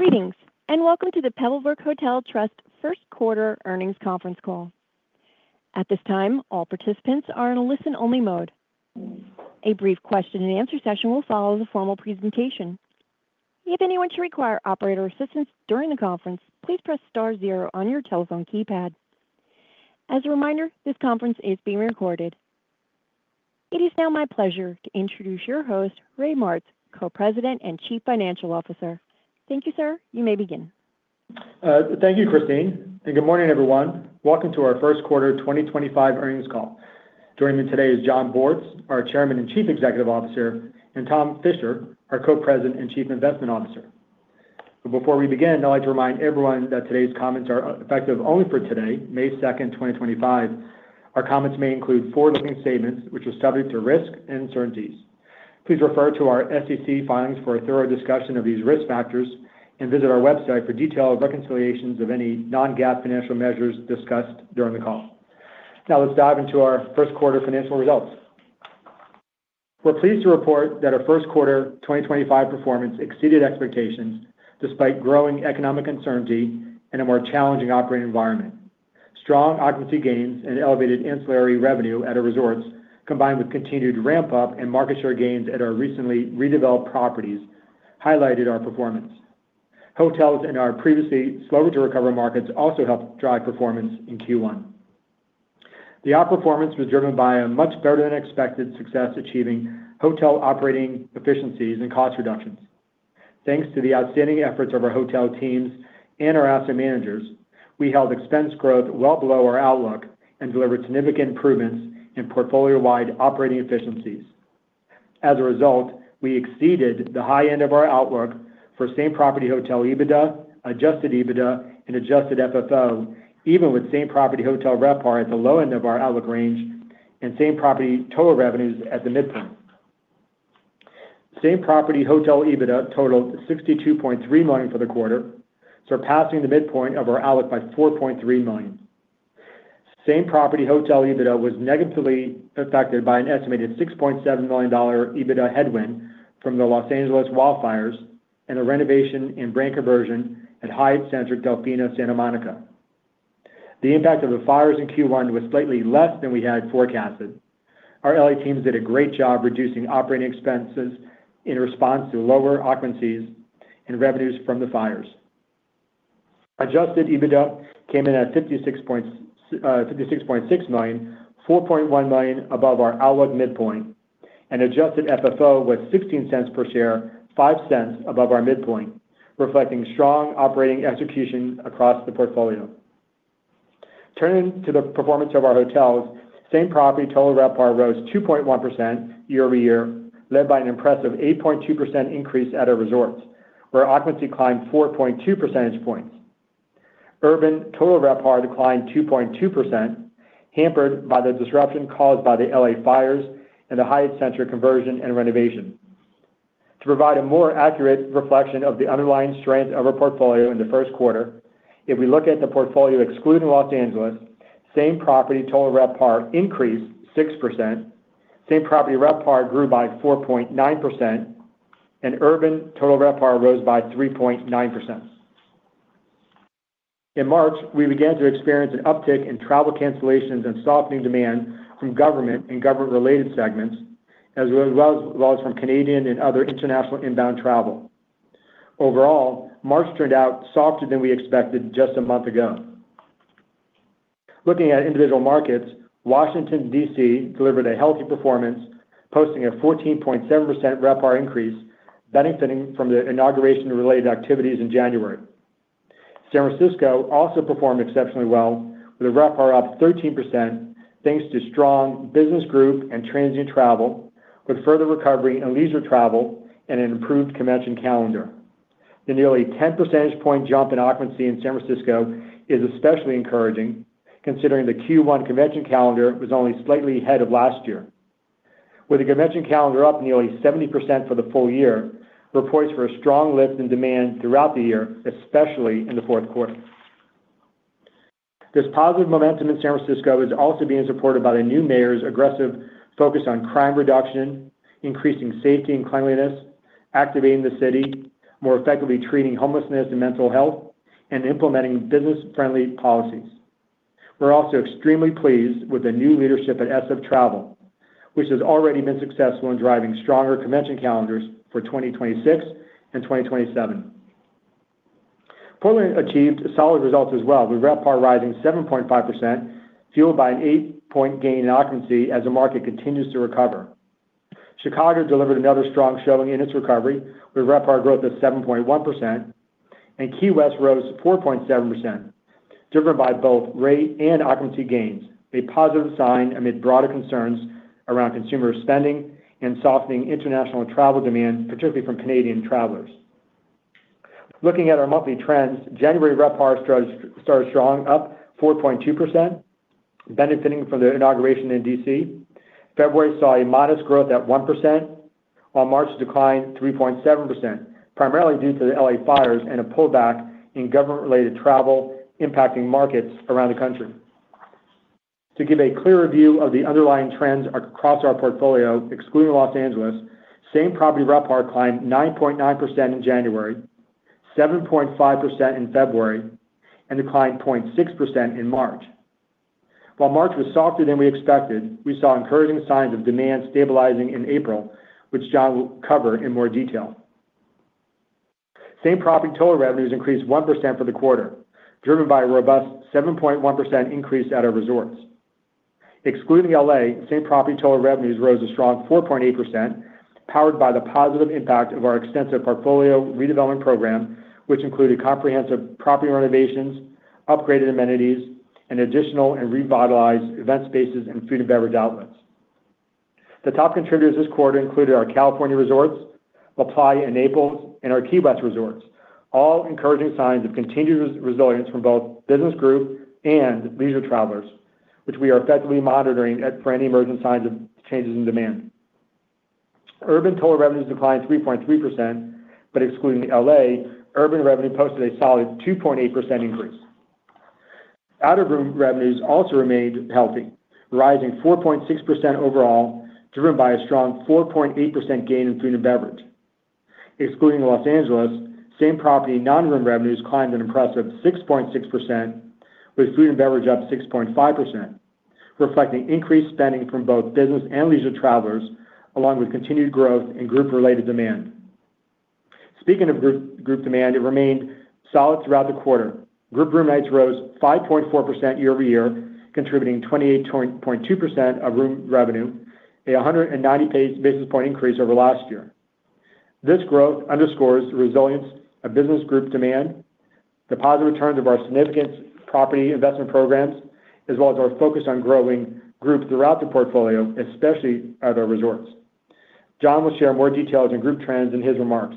Greetings, and welcome to the Pebblebrook Hotel Trust first quarter earnings conference call. At this time, all participants are in a listen-only mode. A brief question-and-answer session will follow the formal presentation. If anyone should require operator assistance during the conference, please press star zero on your telephone keypad. As a reminder, this conference is being recorded. It is now my pleasure to introduce your host, Ray Martz, Co-President and Chief Financial Officer. Thank you, sir. You may begin. Thank you, Christine. Good morning, everyone. Welcome to our first quarter 2025 earnings call. Joining me today is Jon Bortz, our Chairman and Chief Executive Officer, and Tom Fisher, our Co-President and Chief Investment Officer. Before we begin, I'd like to remind everyone that today's comments are effective only for today, May 2, 2025. Our comments may include forward-looking statements which are subject to risk and certainties. Please refer to our SEC filings for a thorough discussion of these risk factors and visit our website for detailed reconciliations of any non-GAAP financial measures discussed during the call. Now, let's dive into our first quarter financial results. We're pleased to report that our first quarter 2025 performance exceeded expectations despite growing economic uncertainty and a more challenging operating environment. Strong occupancy gains and elevated ancillary revenue at our resorts, combined with continued ramp-up and market share gains at our recently redeveloped properties, highlighted our performance. Hotels in our previously slower-to-recover markets also helped drive performance in Q1. The outperformance was driven by a much better-than-expected success achieving hotel operating efficiencies and cost reductions. Thanks to the outstanding efforts of our hotel teams and our asset managers, we held expense growth well below our outlook and delivered significant improvements in portfolio-wide operating efficiencies. As a result, we exceeded the high end of our outlook for same-property hotel EBITDA, adjusted EBITDA, and adjusted FFO, even with same-property hotel RevPAR at the low end of our outlook range and same-property total revenues at the midpoint. Same-property hotel EBITDA totaled $62.3 million for the quarter, surpassing the midpoint of our outlook by $4.3 million. Same-property hotel EBITDA was negatively affected by an estimated $6.7 million EBITDA headwind from the Los Angeles wildfires and the renovation and brand conversion at Hyatt Centric Delfina Santa Monica. The impact of the fires in Q1 was slightly less than we had forecasted. Our LA teams did a great job reducing operating expenses in response to lower occupancies and revenues from the fires. Adjusted EBITDA came in at $56.6 million, $4.1 million above our outlook midpoint, and adjusted FFO was $0.16 per share, $0.05 above our midpoint, reflecting strong operating execution across the portfolio. Turning to the performance of our hotels, same-property total RevPAR rose 2.1% year-over-year, led by an impressive 8.2% increase at our resorts, where occupancy climbed 4.2 percentage points. Urban total REPAR declined 2.2%, hampered by the disruption caused by the LA fires and the Hyatt Centric conversion and renovation. To provide a more accurate reflection of the underlying strength of our portfolio in the first quarter, if we look at the portfolio excluding Los Angeles, same-property total RevPAR increased 6%, same-property RevPAR grew by 4.9%, and urban total RevPAR rose by 3.9%. In March, we began to experience an uptick in travel cancellations and softening demand from government and government-related segments, as well as from Canadian and other international inbound travel. Overall, March turned out softer than we expected just a month ago. Looking at individual markets, Washington, D.C., delivered a healthy performance, posting a 14.7% RevPAR increase, benefiting from the inauguration-related activities in January. San Francisco also performed exceptionally well, with a RevPAR up 13%, thanks to strong business group and transient travel, with further recovery in leisure travel and an improved convention calendar. The nearly 10 percentage point jump in occupancy in San Francisco is especially encouraging, considering the Q1 convention calendar was only slightly ahead of last year. With the convention calendar up nearly 70% for the full year, it reports for a strong lift in demand throughout the year, especially in the fourth quarter. This positive momentum in San Francisco is also being supported by the new mayor's aggressive focus on crime reduction, increasing safety and cleanliness, activating the city, more effectively treating homelessness and mental health, and implementing business-friendly policies. We're also extremely pleased with the new leadership at SF Travel, which has already been successful in driving stronger convention calendars for 2026 and 2027. Portland achieved solid results as well, with RevPAR rising 7.5%, fueled by an 8 percentage point gain in occupancy as the market continues to recover. Chicago delivered another strong showing in its recovery, with RevPAR growth of 7.1%, and Key West rose 4.7%, driven by both rate and occupancy gains, a positive sign amid broader concerns around consumer spending and softening international travel demand, particularly from Canadian travelers. Looking at our monthly trends, January RevPAR started strong, up 4.2%, benefiting from the inauguration in D.C. February saw a modest growth at 1%, while March declined 3.7%, primarily due to the L.A. fires and a pullback in government-related travel impacting markets around the country. To give a clearer view of the underlying trends across our portfolio, excluding Los Angeles, same-property RevPAR climbed 9.9% in January, 7.5% in February, and declined 0.6% in March. While March was softer than we expected, we saw encouraging signs of demand stabilizing in April, which Jon will cover in more detail. Same-property total revenues increased 1% for the quarter, driven by a robust 7.1% increase at our resorts. Excluding Los Angeles, same-property total revenues rose a strong 4.8%, powered by the positive impact of our extensive portfolio redevelopment program, which included comprehensive property renovations, upgraded amenities, and additional and revitalized event spaces and food and beverage outlets. The top contributors this quarter included our California resorts, LaPlaya, Naples, and our Key West resorts, all encouraging signs of continued resilience from both business group and leisure travelers, which we are effectively monitoring for any emerging signs of changes in demand. Urban total revenues declined 3.3%, but excluding Los Angeles, urban revenue posted a solid 2.8% increase. Out-of-room revenues also remained healthy, rising 4.6% overall, driven by a strong 4.8% gain in food and beverage. Excluding Los Angeles, same-property non-room revenues climbed an impressive 6.6%, with food and beverage up 6.5%, reflecting increased spending from both business and leisure travelers, along with continued growth in group-related demand. Speaking of group demand, it remained solid throughout the quarter. Group room rates rose 5.4% year-over-year, contributing 28.2% of room revenue, a 190 basis point increase over last year. This growth underscores the resilience of business group demand, the positive returns of our significant property investment programs, as well as our focus on growing group throughout the portfolio, especially at our resorts. Jon will share more details and group trends in his remarks.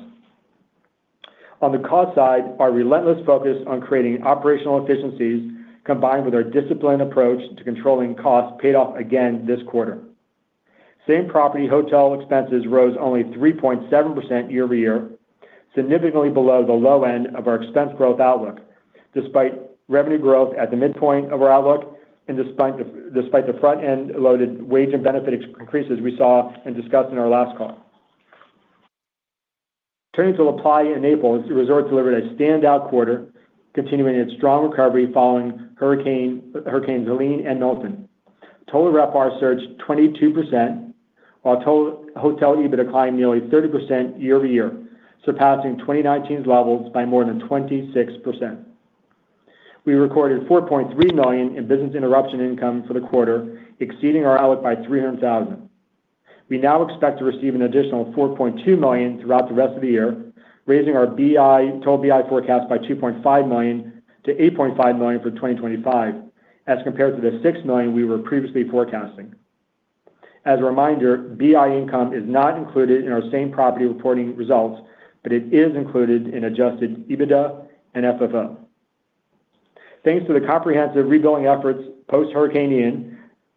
On the cost side, our relentless focus on creating operational efficiencies, combined with our disciplined approach to controlling costs, paid off again this quarter. Same-property hotel expenses rose only 3.7% year-over-year, significantly below the low end of our expense growth outlook, despite revenue growth at the midpoint of our outlook and despite the front-end-loaded wage and benefit increases we saw and discussed in our last call. Turning to LaPlaya and Naples, resorts delivered a standout quarter, continuing its strong recovery following Hurricanes Helene and Milton. Total RevPAR surged 22%, while total hotel EBITDA climbed nearly 30% year-over-year, surpassing 2019's levels by more than 26%. We recorded $4.3 million in business interruption income for the quarter, exceeding our outlook by $300,000. We now expect to receive an additional $4.2 million throughout the rest of the year, raising our total BI forecast by $2.5 million to $8.5 million for 2025, as compared to the $6 million we were previously forecasting. As a reminder, BI income is not included in our same-property reporting results, but it is included in adjusted EBITDA and FFO. Thanks to the comprehensive rebuilding efforts post-hurricane-in,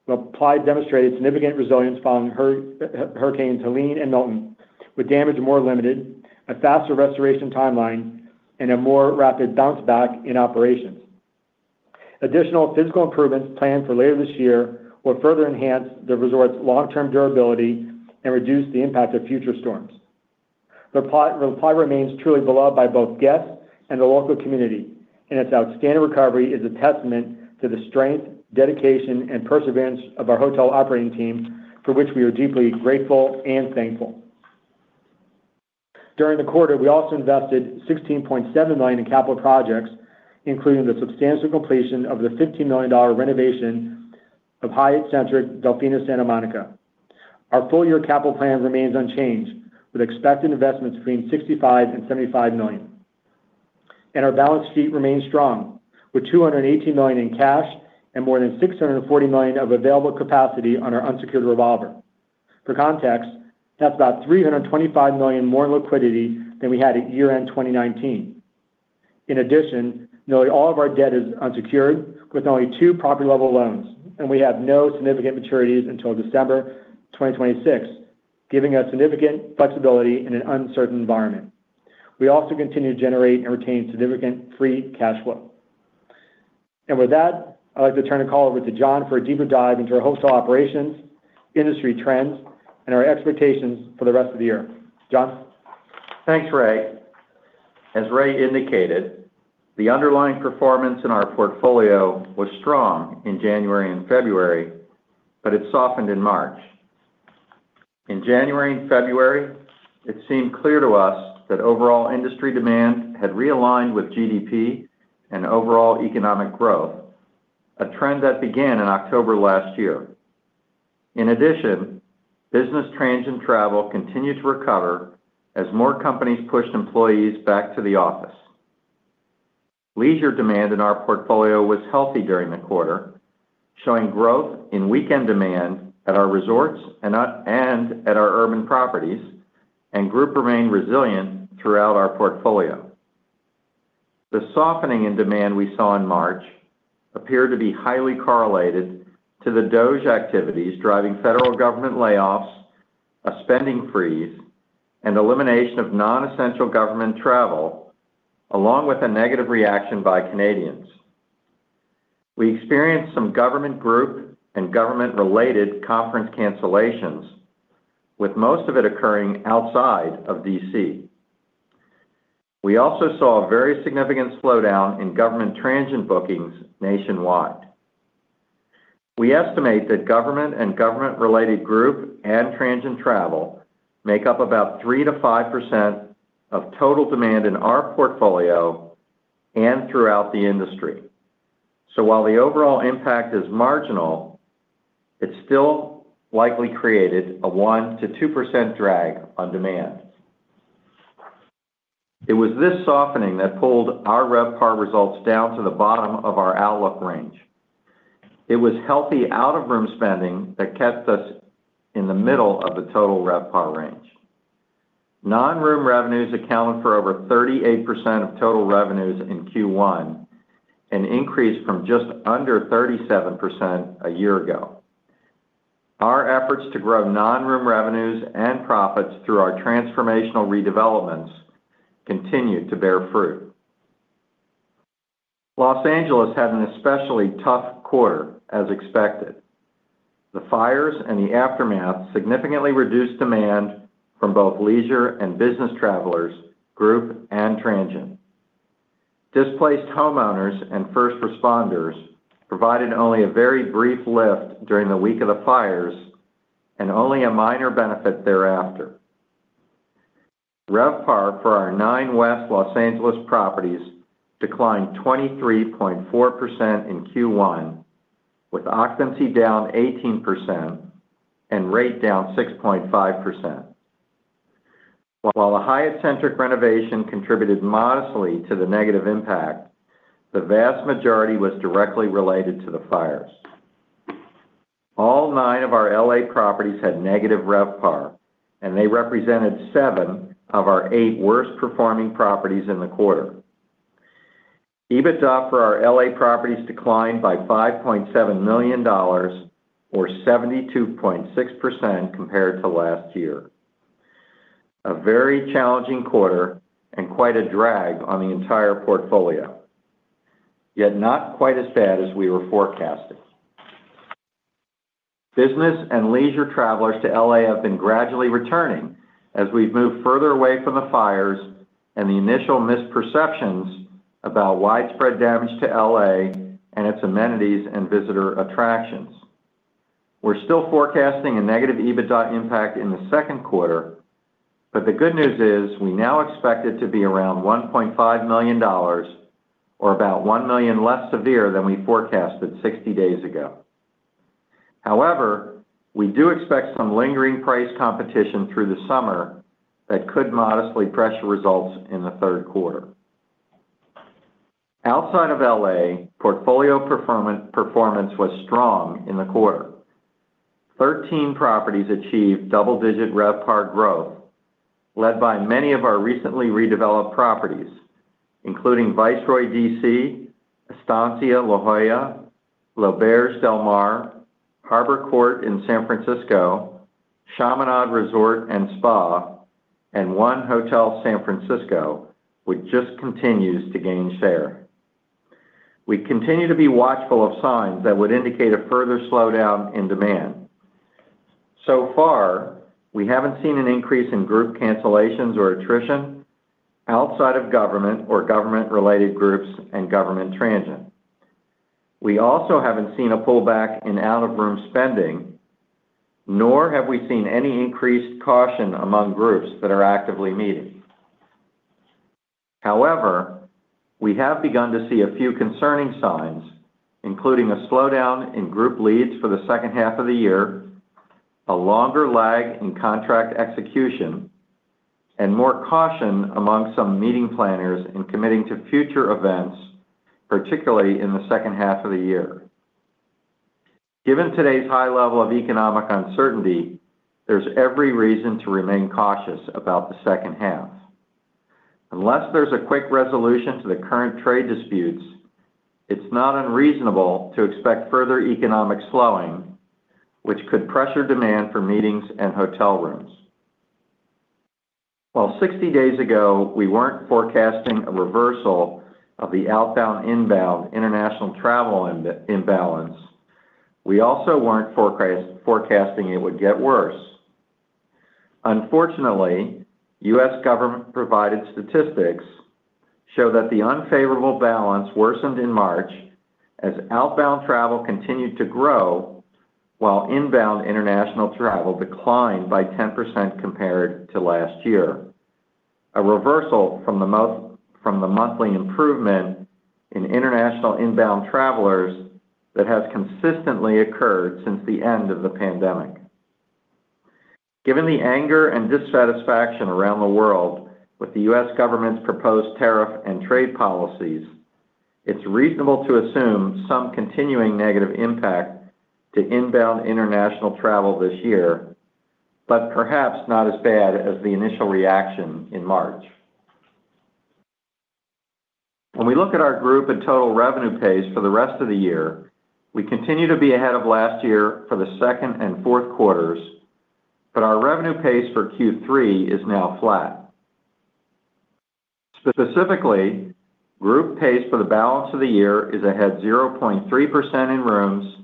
LaPlaya demonstrated significant resilience following Hurricanes Helene and Milton, with damage more limited, a faster restoration timeline, and a more rapid bounce back in operations. Additional physical improvements planned for later this year will further enhance the resort's long-term durability and reduce the impact of future storms. LaPlaya remains truly beloved by both guests and the local community, and its outstanding recovery is a testament to the strength, dedication, and perseverance of our hotel operating team, for which we are deeply grateful and thankful. During the quarter, we also invested $16.7 million in capital projects, including the substantial completion of the $15 million renovation of Hyatt Centric Delfina Santa Monica. Our full-year capital plan remains unchanged, with expected investments between $65 million and $75 million. Our balance sheet remains strong, with $218 million in cash and more than $640 million of available capacity on our unsecured revolver. For context, that's about $325 million more in liquidity than we had at year-end 2019. In addition, nearly all of our debt is unsecured, with only two property-level loans, and we have no significant maturities until December 2026, giving us significant flexibility in an uncertain environment. We also continue to generate and retain significant free cash flow. With that, I'd like to turn the call over to Jon for a deeper dive into our hotel operations, industry trends, and our expectations for the rest of the year. Jon? Thanks, Ray. As Ray indicated, the underlying performance in our portfolio was strong in January and February, but it softened in March. In January and February, it seemed clear to us that overall industry demand had realigned with GDP and overall economic growth, a trend that began in October last year. In addition, business transit and travel continued to recover as more companies pushed employees back to the office. Leisure demand in our portfolio was healthy during the quarter, showing growth in weekend demand at our resorts and at our urban properties, and group remained resilient throughout our portfolio. The softening in demand we saw in March appeared to be highly correlated to the DOGE activities driving federal government layoffs, a spending freeze, and elimination of non-essential government travel, along with a negative reaction by Canadians. We experienced some government group and government-related conference cancellations, with most of it occurring outside of D.C. We also saw a very significant slowdown in government transit bookings nationwide. We estimate that government and government-related group and transit travel make up about 3-5% of total demand in our portfolio and throughout the industry. While the overall impact is marginal, it still likely created a 1-2% drag on demand. It was this softening that pulled our RevPAR results down to the bottom of our outlook range. It was healthy out-of-room spending that kept us in the middle of the total RevPAR range. Non-room revenues accounted for over 38% of total revenues in Q1, an increase from just under 37% a year ago. Our efforts to grow non-room revenues and profits through our transformational redevelopments continued to bear fruit. Los Angeles had an especially tough quarter, as expected. The fires and the aftermath significantly reduced demand from both leisure and business travelers, group and transient. Displaced homeowners and first responders provided only a very brief lift during the week of the fires and only a minor benefit thereafter. RevPAR for our nine West Los Angeles properties declined 23.4% in Q1, with occupancy down 18% and rate down 6.5%. While the Hyatt Centric renovation contributed modestly to the negative impact, the vast majority was directly related to the fires. All nine of our LA properties had negative RevPAR, and they represented seven of our eight worst-performing properties in the quarter. EBITDA for our LA properties declined by $5.7 million, or 72.6%, compared to last year. A very challenging quarter and quite a drag on the entire portfolio, yet not quite as bad as we were forecasting. Business and leisure travelers to LA have been gradually returning as we've moved further away from the fires and the initial misperceptions about widespread damage to LA and its amenities and visitor attractions. We're still forecasting a negative EBITDA impact in the second quarter, but the good news is we now expect it to be around $1.5 million, or about $1 million less severe than we forecasted 60 days ago. However, we do expect some lingering price competition through the summer that could modestly pressure results in the third quarter. Outside of LA, portfolio performance was strong in the quarter. Thirteen properties achieved double-digit RevPAR growth, led by many of our recently redeveloped properties, including Viceroy D.C., Estancia La Jolla, La Valencia Hotel, Harbor Court in San Francisco, Chaminade Resort and Spa, and 1 Hotel San Francisco, which just continues to gain share. We continue to be watchful of signs that would indicate a further slowdown in demand. So far, we haven't seen an increase in group cancellations or attrition outside of government or government-related groups and government transit. We also haven't seen a pullback in out-of-room spending, nor have we seen any increased caution among groups that are actively meeting. However, we have begun to see a few concerning signs, including a slowdown in group leads for the second half of the year, a longer lag in contract execution, and more caution among some meeting planners in committing to future events, particularly in the second half of the year. Given today's high level of economic uncertainty, there's every reason to remain cautious about the second half. Unless there's a quick resolution to the current trade disputes, it's not unreasonable to expect further economic slowing, which could pressure demand for meetings and hotel rooms. While 60 days ago, we weren't forecasting a reversal of the outbound-inbound international travel imbalance, we also weren't forecasting it would get worse. Unfortunately, U.S. government-provided statistics show that the unfavorable balance worsened in March as outbound travel continued to grow, while inbound international travel declined by 10% compared to last year, a reversal from the monthly improvement in international inbound travelers that has consistently occurred since the end of the pandemic. Given the anger and dissatisfaction around the world with the U.S. government's proposed tariff and trade policies, it's reasonable to assume some continuing negative impact to inbound international travel this year, but perhaps not as bad as the initial reaction in March. When we look at our group and total revenue pace for the rest of the year, we continue to be ahead of last year for the second and fourth quarters, but our revenue pace for Q3 is now flat. Specifically, group pace for the balance of the year is ahead 0.3% in rooms,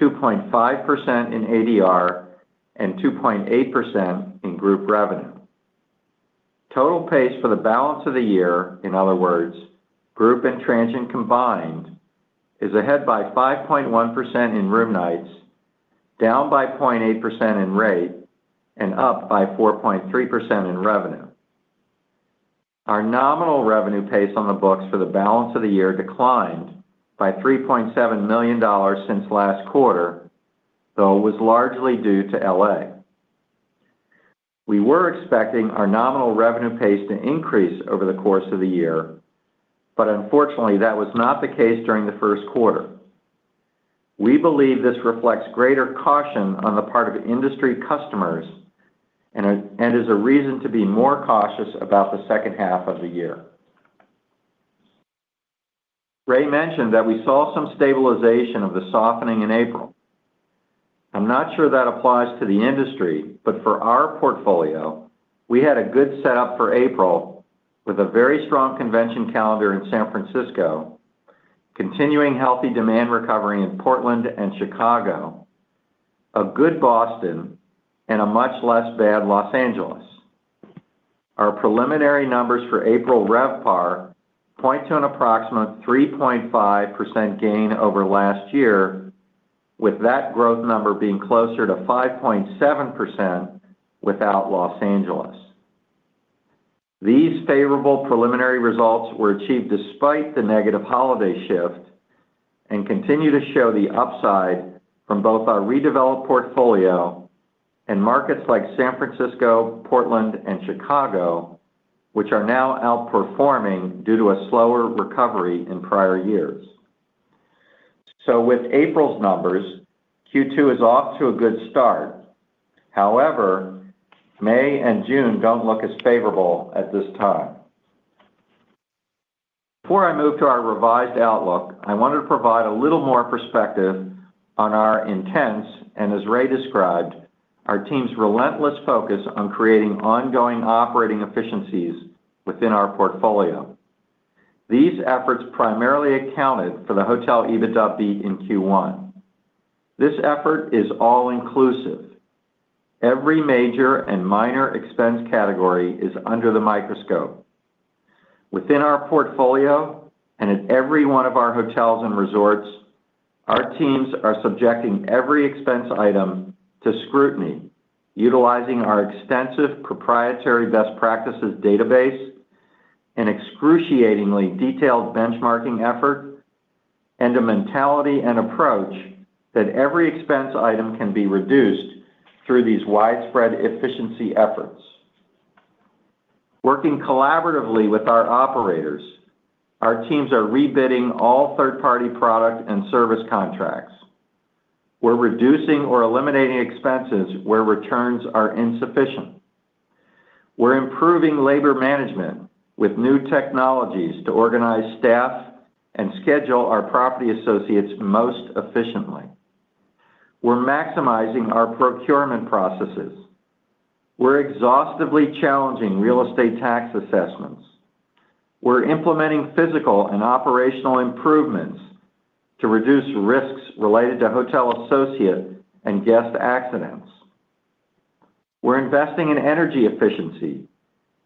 2.5% in ADR, and 2.8% in group revenue. Total pace for the balance of the year, in other words, group and transient combined, is ahead by 5.1% in room nights, down by 0.8% in rate, and up by 4.3% in revenue. Our nominal revenue pace on the books for the balance of the year declined by $3.7 million since last quarter, though it was largely due to LA. We were expecting our nominal revenue pace to increase over the course of the year, but unfortunately, that was not the case during the first quarter. We believe this reflects greater caution on the part of industry customers and is a reason to be more cautious about the second half of the year. Ray mentioned that we saw some stabilization of the softening in April. I'm not sure that applies to the industry, but for our portfolio, we had a good setup for April with a very strong convention calendar in San Francisco, continuing healthy demand recovery in Portland and Chicago, a good Boston, and a much less bad Los Angeles. Our preliminary numbers for April RevPAR point to an approximate 3.5% gain over last year, with that growth number being closer to 5.7% without Los Angeles. These favorable preliminary results were achieved despite the negative holiday shift and continue to show the upside from both our redeveloped portfolio and markets like San Francisco, Portland, and Chicago, which are now outperforming due to a slower recovery in prior years. With April's numbers, Q2 is off to a good start. However, May and June do not look as favorable at this time. Before I move to our revised outlook, I wanted to provide a little more perspective on our intents and, as Ray described, our team's relentless focus on creating ongoing operating efficiencies within our portfolio. These efforts primarily accounted for the hotel EBITDA beat in Q1. This effort is all-inclusive. Every major and minor expense category is under the microscope. Within our portfolio and at every one of our hotels and resorts, our teams are subjecting every expense item to scrutiny, utilizing our extensive proprietary best practices database, an excruciatingly detailed benchmarking effort, and a mentality and approach that every expense item can be reduced through these widespread efficiency efforts. Working collaboratively with our operators, our teams are rebidding all third-party product and service contracts. We're reducing or eliminating expenses where returns are insufficient. We're improving labor management with new technologies to organize staff and schedule our property associates most efficiently. We're maximizing our procurement processes. We're exhaustively challenging real estate tax assessments. We're implementing physical and operational improvements to reduce risks related to hotel associate and guest accidents. We're investing in energy efficiency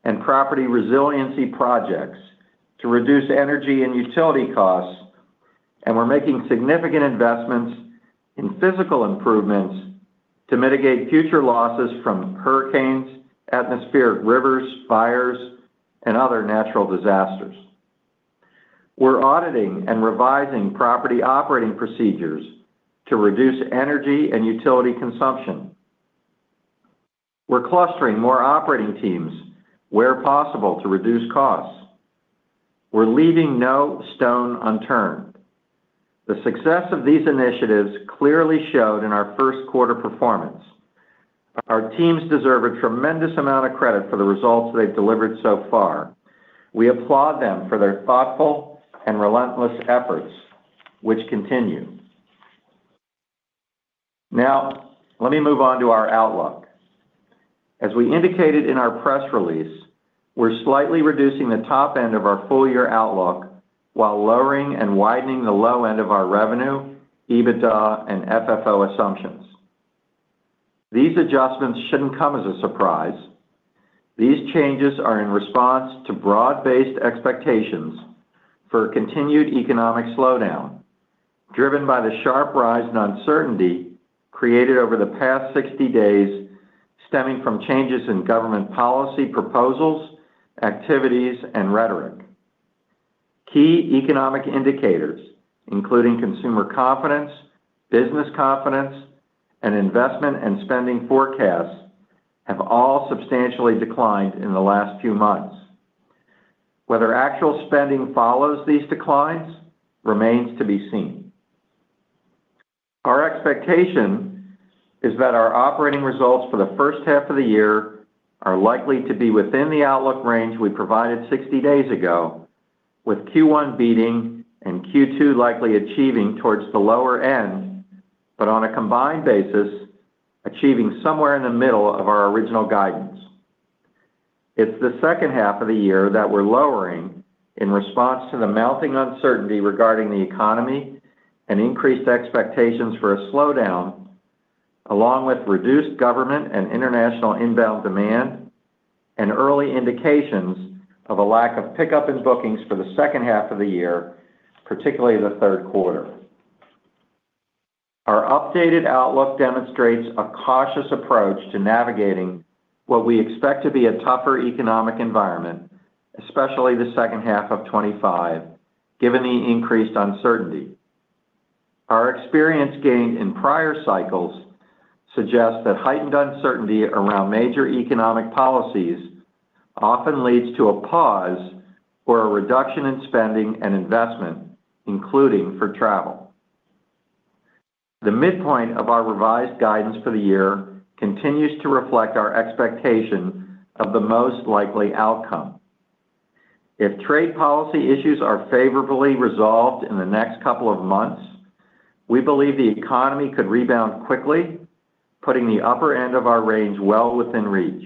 and property resiliency projects to reduce energy and utility costs, and we're making significant investments in physical improvements to mitigate future losses from hurricanes, atmospheric rivers, fires, and other natural disasters. We're auditing and revising property operating procedures to reduce energy and utility consumption. We're clustering more operating teams where possible to reduce costs. We're leaving no stone unturned. The success of these initiatives clearly showed in our first quarter performance. Our teams deserve a tremendous amount of credit for the results they've delivered so far. We applaud them for their thoughtful and relentless efforts, which continue. Now, let me move on to our outlook. As we indicated in our press release, we're slightly reducing the top end of our full-year outlook while lowering and widening the low end of our revenue, EBITDA, and FFO assumptions. These adjustments shouldn't come as a surprise. These changes are in response to broad-based expectations for continued economic slowdown, driven by the sharp rise in uncertainty created over the past 60 days stemming from changes in government policy proposals, activities, and rhetoric. Key economic indicators, including consumer confidence, business confidence, and investment and spending forecasts, have all substantially declined in the last few months. Whether actual spending follows these declines remains to be seen. Our expectation is that our operating results for the first half of the year are likely to be within the outlook range we provided 60 days ago, with Q1 beating and Q2 likely achieving towards the lower end, but on a combined basis, achieving somewhere in the middle of our original guidance. It's the second half of the year that we're lowering in response to the mounting uncertainty regarding the economy and increased expectations for a slowdown, along with reduced government and international inbound demand and early indications of a lack of pickup in bookings for the second half of the year, particularly the third quarter. Our updated outlook demonstrates a cautious approach to navigating what we expect to be a tougher economic environment, especially the second half of 2025, given the increased uncertainty. Our experience gained in prior cycles suggests that heightened uncertainty around major economic policies often leads to a pause or a reduction in spending and investment, including for travel. The midpoint of our revised guidance for the year continues to reflect our expectation of the most likely outcome. If trade policy issues are favorably resolved in the next couple of months, we believe the economy could rebound quickly, putting the upper end of our range well within reach.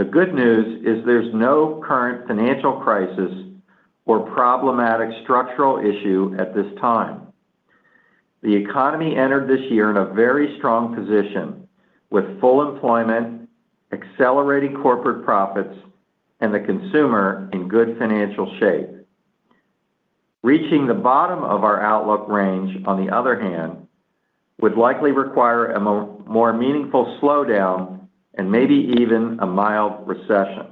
The good news is there's no current financial crisis or problematic structural issue at this time. The economy entered this year in a very strong position, with full employment, accelerating corporate profits, and the consumer in good financial shape. Reaching the bottom of our outlook range, on the other hand, would likely require a more meaningful slowdown and maybe even a mild recession.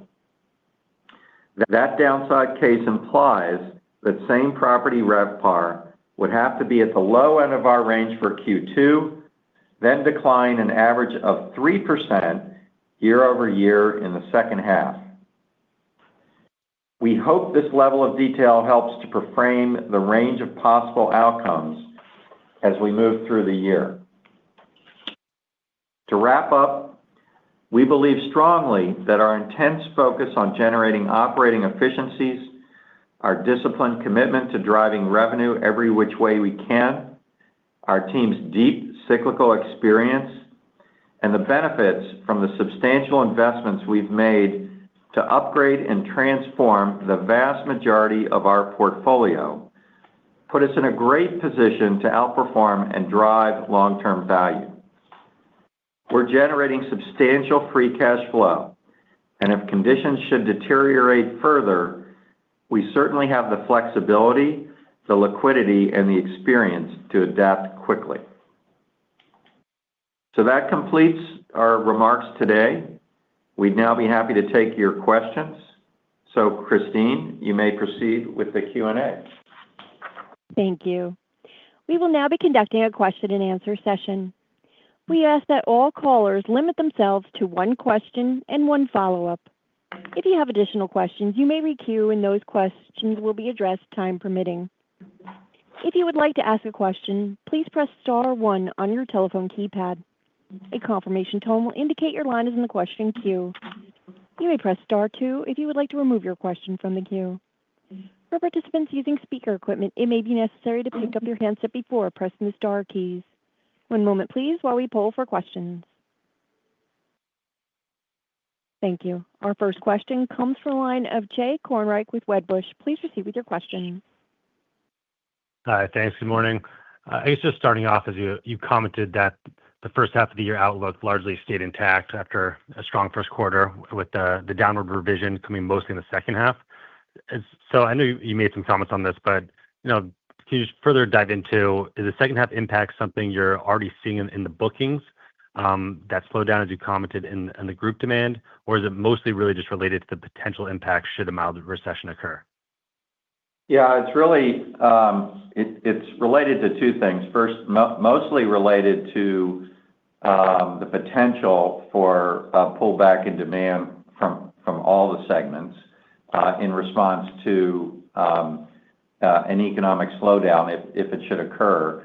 That downside case implies that same-property RevPAR would have to be at the low end of our range for Q2, then decline an average of 3% year over year in the second half. We hope this level of detail helps to frame the range of possible outcomes as we move through the year. To wrap up, we believe strongly that our intense focus on generating operating efficiencies, our disciplined commitment to driving revenue every which way we can, our team's deep cyclical experience, and the benefits from the substantial investments we've made to upgrade and transform the vast majority of our portfolio put us in a great position to outperform and drive long-term value. We're generating substantial free cash flow, and if conditions should deteriorate further, we certainly have the flexibility, the liquidity, and the experience to adapt quickly. That completes our remarks today. We'd now be happy to take your questions. Christine, you may proceed with the Q&A. Thank you. We will now be conducting a question-and-answer session. We ask that all callers limit themselves to one question and one follow-up. If you have additional questions, you may re-queue and those questions will be addressed, time permitting. If you would like to ask a question, please press star one on your telephone keypad. A confirmation tone will indicate your line is in the question queue. You may press star two if you would like to remove your question from the queue. For participants using speaker equipment, it may be necessary to pick up your handset before pressing the Star keys. One moment, please, while we pull for questions. Thank you. Our first question comes from the line of Jay Kornreich with Wedbush. Please proceed with your question. Hi. Thanks. Good morning. I guess just starting off, as you commented that the first half of the year outlook largely stayed intact after a strong first quarter with the downward revision coming mostly in the second half. I know you made some comments on this, but can you just further dive into the second half impact, something you're already seeing in the bookings, that slowdown, as you commented, and the group demand? Or is it mostly really just related to the potential impact should a mild recession occur? Yeah. It's related to two things. First, mostly related to the potential for a pullback in demand from all the segments in response to an economic slowdown if it should occur.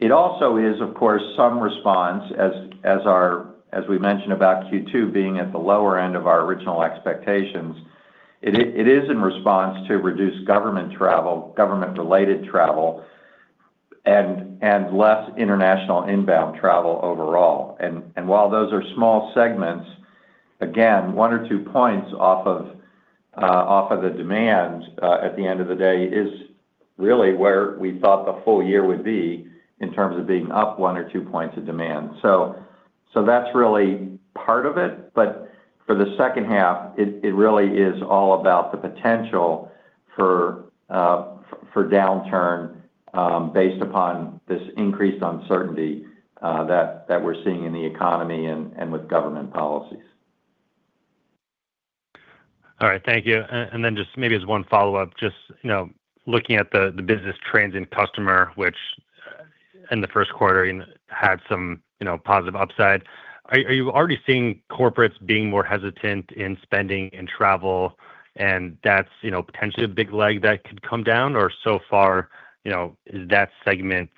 It also is, of course, some response, as we mentioned about Q2 being at the lower end of our original expectations. It is in response to reduced government travel, government-related travel, and less international inbound travel overall. While those are small segments, again, one or two points off of the demand at the end of the day is really where we thought the full year would be in terms of being up one or two points of demand. That is really part of it. For the second half, it really is all about the potential for downturn based upon this increased uncertainty that we are seeing in the economy and with government policies. All right. Thank you. Just maybe as one follow-up, just looking at the business trends in customer, which in the first quarter had some positive upside. Are you already seeing corporates being more hesitant in spending and travel? That is potentially a big leg that could come down? Or so far, is that segment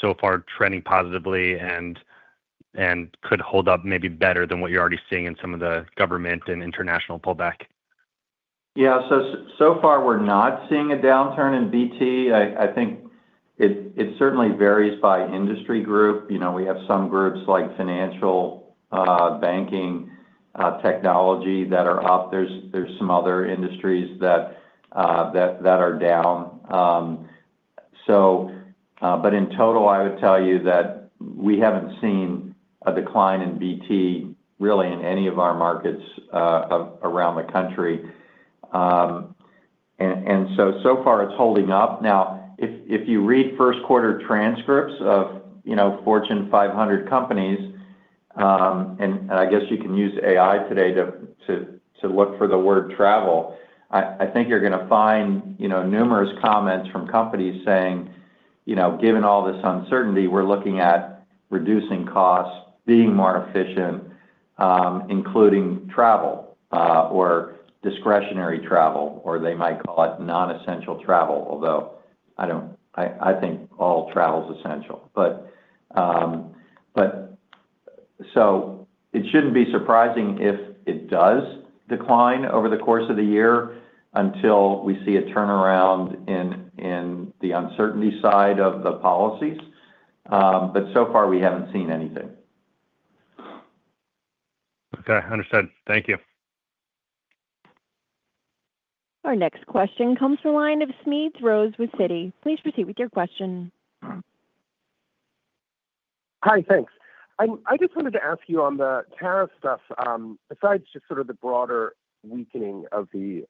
so far trending positively and could hold up maybe better than what you're already seeing in some of the government and international pullback? Yeah. So far, we're not seeing a downturn in BT. I think it certainly varies by industry group. We have some groups like financial, banking, technology that are up. There's some other industries that are down. In total, I would tell you that we haven't seen a decline in BT really in any of our markets around the country. So far, it's holding up. Now, if you read first-quarter transcripts of Fortune 500 companies, and I guess you can use AI today to look for the word travel, I think you're going to find numerous comments from companies saying, "Given all this uncertainty, we're looking at reducing costs, being more efficient, including travel or discretionary travel," or they might call it non-essential travel, although I think all travel's essential. It shouldn't be surprising if it does decline over the course of the year until we see a turnaround in the uncertainty side of the policies. So far, we haven't seen anything. Okay. Understood. Thank you. Our next question comes from the line of Smedes Rose with Citi. Please proceed with your question. Hi. Thanks. I just wanted to ask you on the tariff stuff, besides just sort of the broader weakening of the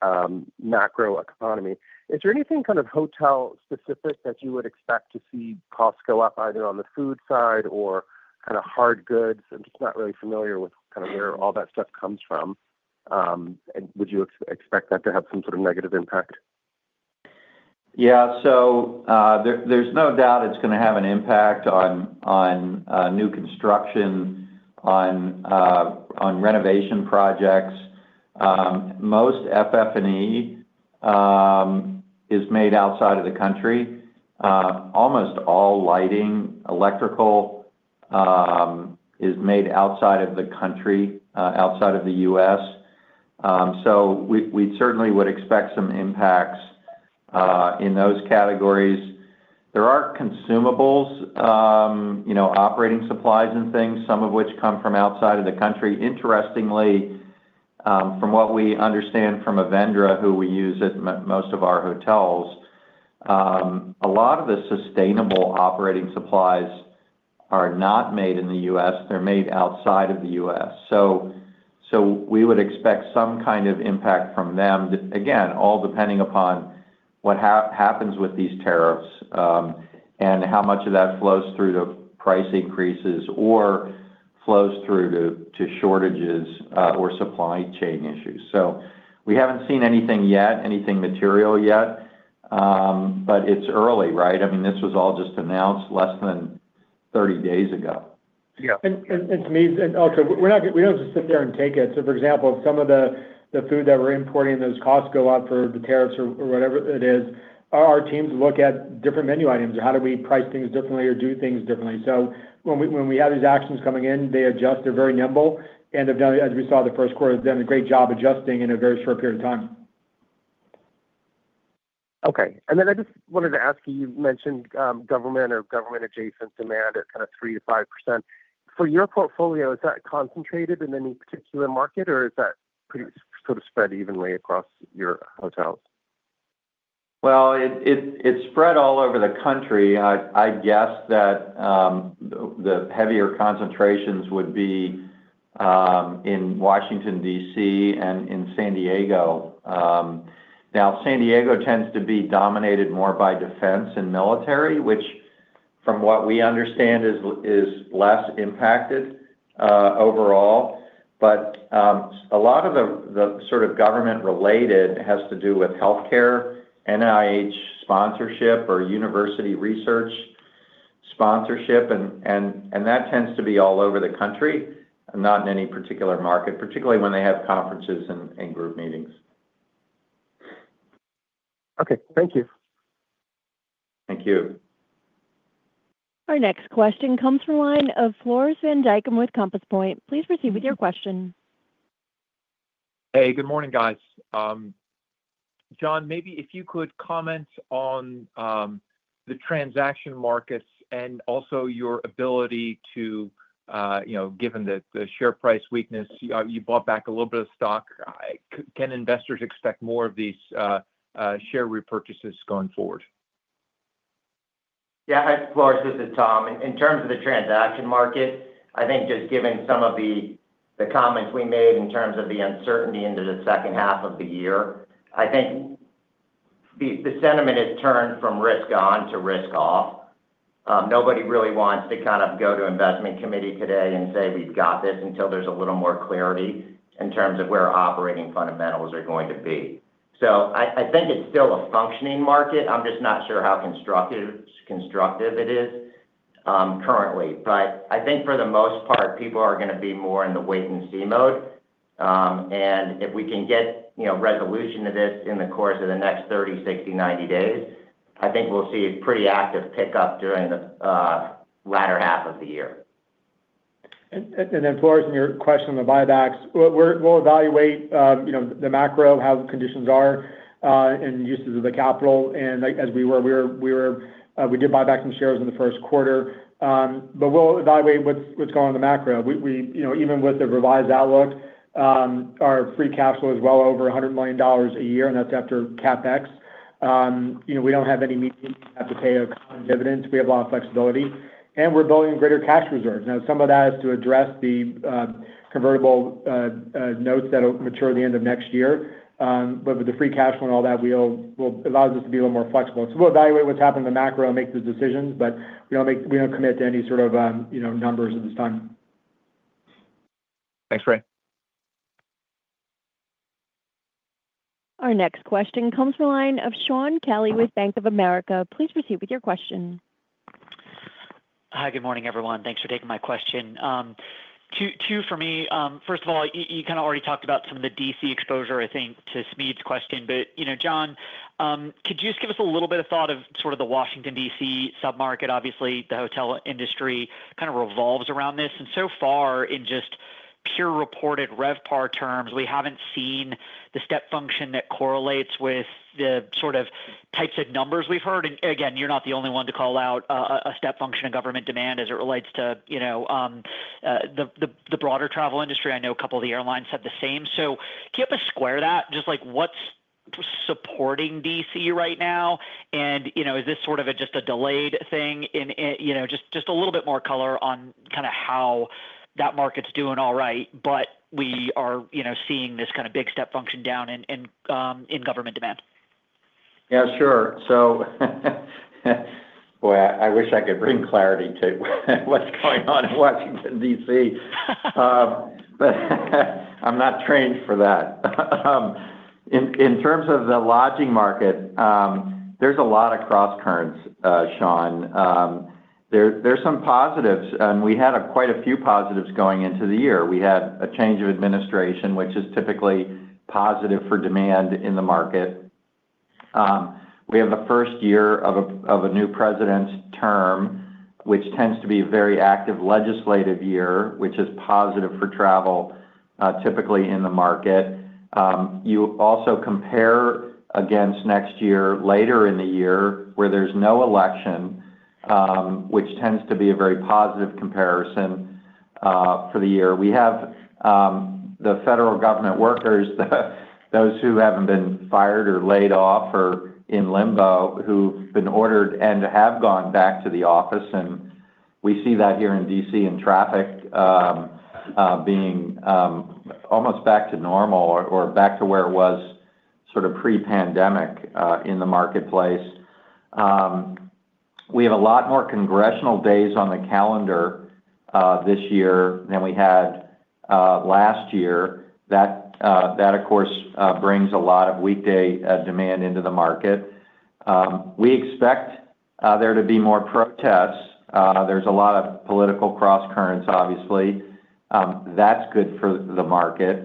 macroeconomy, is there anything kind of hotel-specific that you would expect to see costs go up either on the food side or kind of hard goods? I'm just not really familiar with kind of where all that stuff comes from. Would you expect that to have some sort of negative impact? Yeah. There is no doubt it is going to have an impact on new construction, on renovation projects. Most FF&E is made outside of the country. Almost all lighting, electrical, is made outside of the country, outside of the U.S. We certainly would expect some impacts in those categories. There are consumables, operating supplies and things, some of which come from outside of the country. Interestingly, from what we understand from Avendra, who we use at most of our hotels, a lot of the sustainable operating supplies are not made in the U.S. They're made outside of the U.S. We would expect some kind of impact from them. Again, all depending upon what happens with these tariffs and how much of that flows through to price increases or flows through to shortages or supply chain issues. We haven't seen anything yet, anything material yet, but it's early, right? I mean, this was all just announced less than 30 days ago. Yeah. And Smedes, also, we don't just sit there and take it. For example, some of the food that we're importing, those costs go up for the tariffs or whatever it is. Our teams look at different menu items. How do we price things differently or do things differently? When we have these actions coming in, they adjust. They're very nimble. As we saw the first quarter, they've done a great job adjusting in a very short period of time. Okay. I just wanted to ask you, you mentioned government or government-adjacent demand at kind of 3%-5%. For your portfolio, is that concentrated in any particular market, or is that sort of spread evenly across your hotels? It's spread all over the country. I guess that the heavier concentrations would be in Washington, D.C., and in San Diego. Now, San Diego tends to be dominated more by defense and military, which, from what we understand, is less impacted overall. A lot of the sort of government-related has to do with healthcare, NIH sponsorship, or university research sponsorship. That tends to be all over the country, not in any particular market, particularly when they have conferences and group meetings. Okay. Thank you. Thank you. Our next question comes from the line of Floris van Dijkum with Compass Point. Please proceed with your question. Hey. Good morning, guys. Jon, maybe if you could comment on the transaction markets and also your ability to, given the share price weakness, you bought back a little bit of stock. Can investors expect more of these share repurchases going forward? Yeah. Hi, Floris. This is Tom. In terms of the transaction market, I think just given some of the comments we made in terms of the uncertainty into the second half of the year, I think the sentiment has turned from risk-on to risk-off. Nobody really wants to kind of go to investment committee today and say, "We've got this," until there's a little more clarity in terms of where operating fundamentals are going to be. I think it's still a functioning market. I'm just not sure how constructive it is currently. I think for the most part, people are going to be more in the wait-and-see mode. If we can get resolution to this in the course of the next 30, 60, 90 days, I think we'll see a pretty active pickup during the latter half of the year. Floris, your question on the buybacks, we'll evaluate the macro, how the conditions are in uses of the capital. As we were, we did buy back some shares in the first quarter. We'll evaluate what's going on in the macro. Even with the revised outlook, our free cash flow is well over $100 million a year, and that's after CapEx. We do not have any meetings to have to pay a common dividend. We have a lot of flexibility. We are building greater cash reserves. Now, some of that is to address the convertible notes that will mature at the end of next year. With the free cash flow and all that, it allows us to be a little more flexible. We will evaluate what is happening in the macro and make the decisions. We do not commit to any sort of numbers at this time. Thanks, Ray. Our next question comes from the line of Sean Kelly with Bank of America. Please proceed with your question. Hi. Good morning, everyone. Thanks for taking my question. Two for me. First of all, you kind of already talked about some of the D.C. exposure, I think, to Smedes' question. But Jon, could you just give us a little bit of thought of sort of the Washington, D.C. submarket? Obviously, the hotel industry kind of revolves around this. In just pure reported RevPAR terms, we have not seen the step function that correlates with the sort of types of numbers we have heard. You're not the only one to call out a step function in government demand as it relates to the broader travel industry. I know a couple of the airlines said the same. Can you help us square that? Just what's supporting D.C. right now? Is this sort of just a delayed thing? Just a little bit more color on kind of how that market's doing all right, but we are seeing this kind of big step function down in government demand. Yeah. Sure. Boy, I wish I could bring clarity to what's going on in Washington, D.C. but I'm not trained for that. In terms of the lodging market, there's a lot of cross currents, Sean. There's some positives. We had quite a few positives going into the year. We had a change of administration, which is typically positive for demand in the market. We have the first year of a new president's term, which tends to be a very active legislative year, which is positive for travel, typically in the market. You also compare against next year, later in the year, where there's no election, which tends to be a very positive comparison for the year. We have the federal government workers, those who have not been fired or laid off or in limbo, who have been ordered and have gone back to the office. We see that here in D.C. in traffic being almost back to normal or back to where it was sort of pre-pandemic in the marketplace. We have a lot more congressional days on the calendar this year than we had last year. That, of course, brings a lot of weekday demand into the market. We expect there to be more protests. There are a lot of political cross currents, obviously. That is good for the market.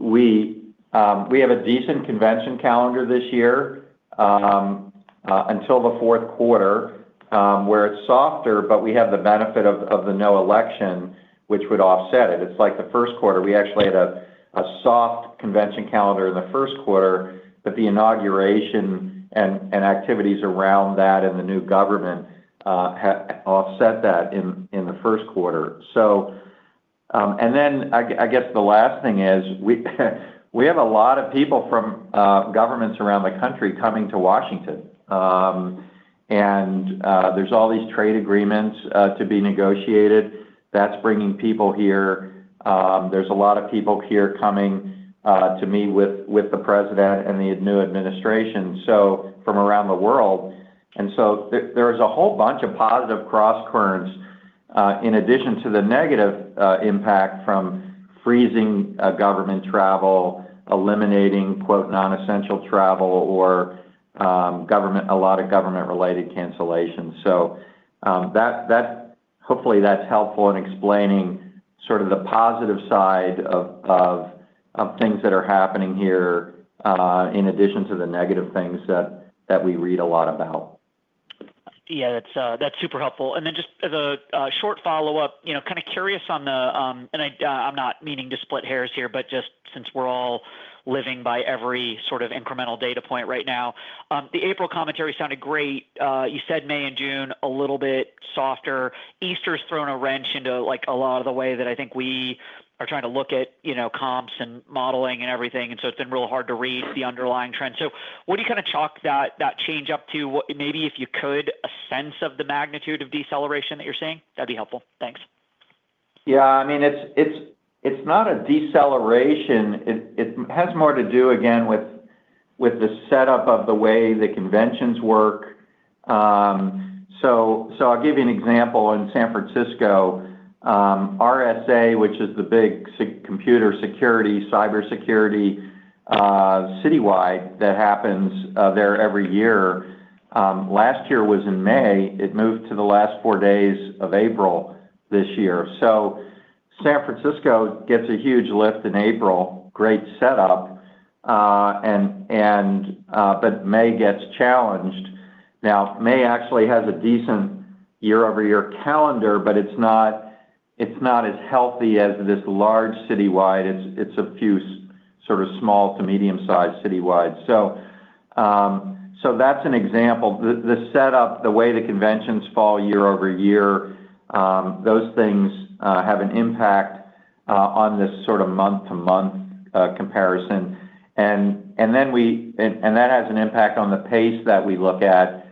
We have a decent convention calendar this year until the fourth quarter, where it is softer, but we have the benefit of the no election, which would offset it. It is like the first quarter. We actually had a soft convention calendar in the first quarter, but the inauguration and activities around that and the new government offset that in the first quarter. I guess the last thing is we have a lot of people from governments around the country coming to Washington. There are all these trade agreements to be negotiated. That is bringing people here. There are a lot of people here coming to meet with the president and the new administration, from around the world. There is a whole bunch of positive cross currents, in addition to the negative impact from freezing government travel, eliminating "non-essential travel," or a lot of government-related cancellations. Hopefully, that is helpful in explaining sort of the positive side of things that are happening here, in addition to the negative things that we read a lot about. Yeah. That is super helpful. Just as a short follow-up, kind of curious on the—and I'm not meaning to split hairs here, but just since we're all living by every sort of incremental data point right now, the April commentary sounded great. You said May and June a little bit softer. Easter's thrown a wrench into a lot of the way that I think we are trying to look at comps and modeling and everything. It has been real hard to read the underlying trend. What do you kind of chalk that change up to? Maybe if you could, a sense of the magnitude of deceleration that you're seeing, that'd be helpful. Thanks. Yeah. I mean, it's not a deceleration. It has more to do, again, with the setup of the way the conventions work. I'll give you an example. In San Francisco, RSA, which is the big computer security, cybersecurity citywide that happens there every year, last year was in May. It moved to the last four days of April this year. San Francisco gets a huge lift in April, great setup. May gets challenged. Now, May actually has a decent year-over-year calendar, but it's not as healthy as this large citywide. It's a few sort of small to medium-sized citywide. That's an example. The setup, the way the conventions fall year-over-year, those things have an impact on this sort of month-to-month comparison. That has an impact on the pace that we look at,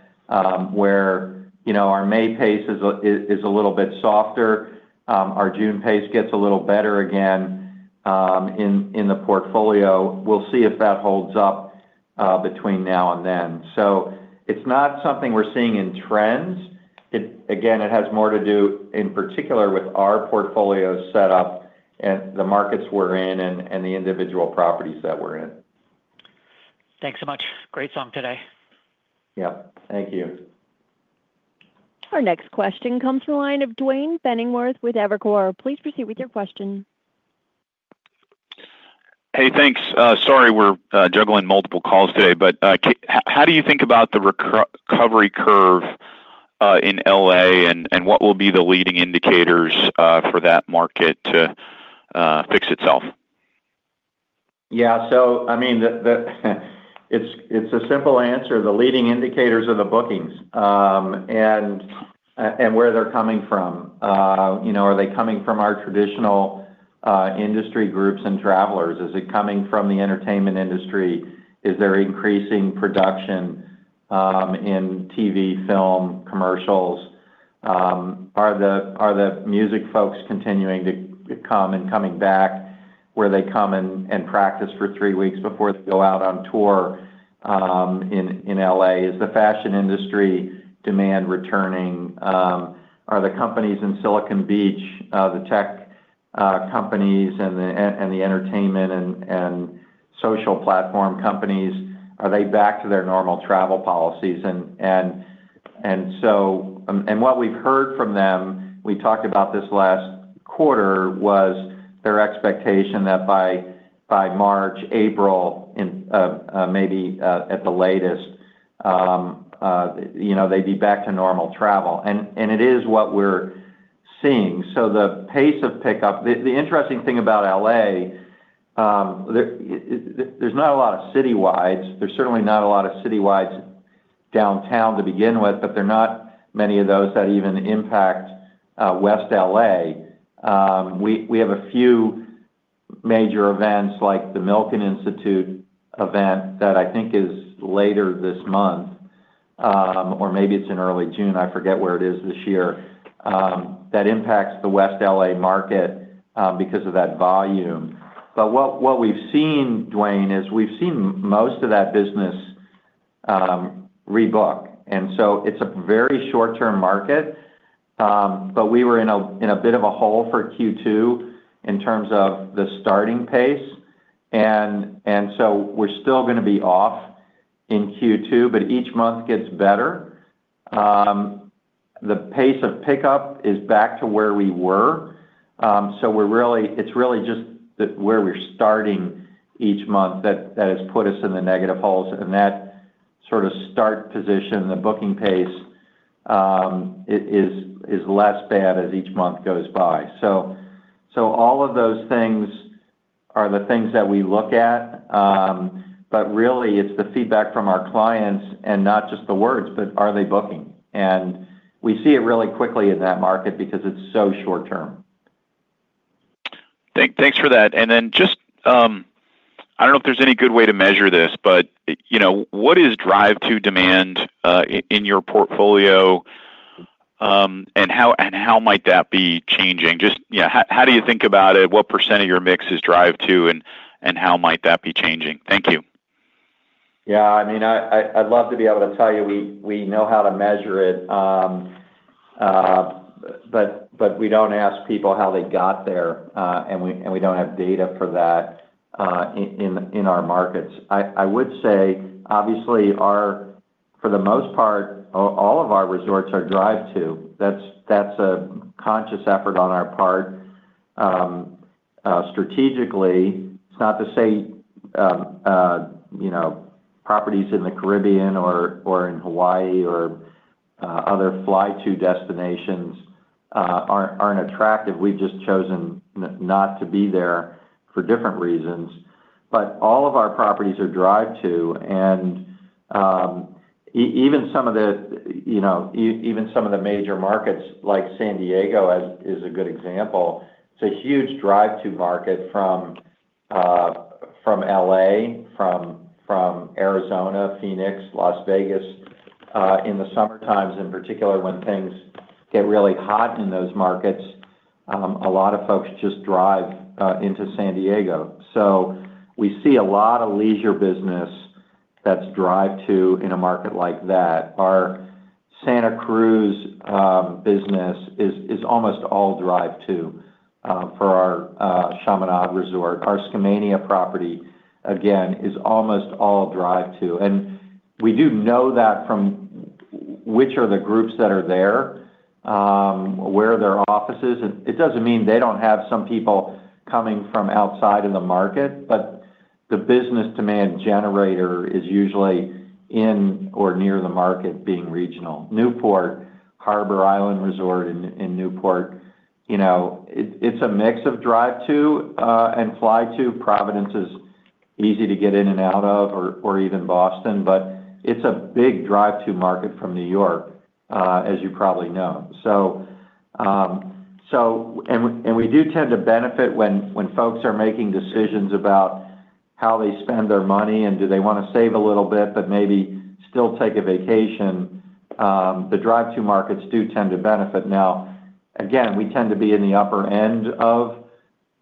where our May pace is a little bit softer. Our June pace gets a little better again in the portfolio. We'll see if that holds up between now and then. It's not something we're seeing in trends. Again, it has more to do, in particular, with our portfolio setup and the markets we're in and the individual properties that we're in. Thanks so much. Great talk today. Yep. Thank you. Our next question comes from the line of Duane Pfennigwerth with Evercore. Please proceed with your question. Hey. Thanks. Sorry we're juggling multiple calls today. How do you think about the recovery curve in Los Angeles, and what will be the leading indicators for that market to fix itself? Yeah. I mean, it's a simple answer. The leading indicators are the bookings and where they're coming from. Are they coming from our traditional industry groups and travelers? Is it coming from the entertainment industry? Is there increasing production in TV, film, commercials? Are the music folks continuing to come and coming back, where they come and practice for three weeks before they go out on tour in LA? Is the fashion industry demand returning? Are the companies in Silicon Beach, the tech companies and the entertainment and social platform companies, are they back to their normal travel policies? What we've heard from them, we talked about this last quarter, was their expectation that by March, April, maybe at the latest, they'd be back to normal travel. It is what we're seeing. The pace of pickup, the interesting thing about LA, there's not a lot of citywides. There's certainly not a lot of citywides downtown to begin with, but there are not many of those that even impact West LA. We have a few major events, like the Milken Institute event that I think is later this month, or maybe it is in early June. I forget where it is this year. That impacts the West LA market because of that volume. What we have seen, Duane, is we have seen most of that business rebook. It is a very short-term market. We were in a bit of a hole for Q2 in terms of the starting pace. We are still going to be off in Q2, but each month gets better. The pace of pickup is back to where we were. It is really just where we are starting each month that has put us in the negative holes. That sort of start position, the booking pace, is less bad as each month goes by. All of those things are the things that we look at. Really, it's the feedback from our clients, and not just the words, but are they booking? We see it really quickly in that market because it's so short-term. Thanks for that. I do not know if there's any good way to measure this, but what is drive-to demand in your portfolio, and how might that be changing? Just how do you think about it? What % of your mix is drive-to? How might that be changing? Thank you. Yeah. I mean, I'd love to be able to tell you we know how to measure it, but we do not ask people how they got there. We do not have data for that in our markets. I would say, obviously, for the most part, all of our resorts are drive-to. That's a conscious effort on our part. Strategically, it's not to say properties in the Caribbean or in Hawaii or other fly-to destinations aren't attractive. We've just chosen not to be there for different reasons. All of our properties are drive-to. Even some of the major markets, like San Diego, is a good example. It's a huge drive-to market from LA, from Arizona, Phoenix, Las Vegas. In the summertimes, in particular, when things get really hot in those markets, a lot of folks just drive into San Diego. We see a lot of leisure business that's drive-to in a market like that. Our Santa Cruz business is almost all drive-to for our Chaminade Resort. Our Skamania property, again, is almost all drive-to. We do know that from which are the groups that are there, where their office is. It doesn't mean they don't have some people coming from outside of the market, but the business demand generator is usually in or near the market being regional. Newport Harbor Island Resort in Newport, it's a mix of drive-to and fly-to. Providence is easy to get in and out of, or even Boston. It is a big drive-to market from New York, as you probably know. We do tend to benefit when folks are making decisions about how they spend their money and do they want to save a little bit but maybe still take a vacation. The drive-to markets do tend to benefit. Now, again, we tend to be in the upper end of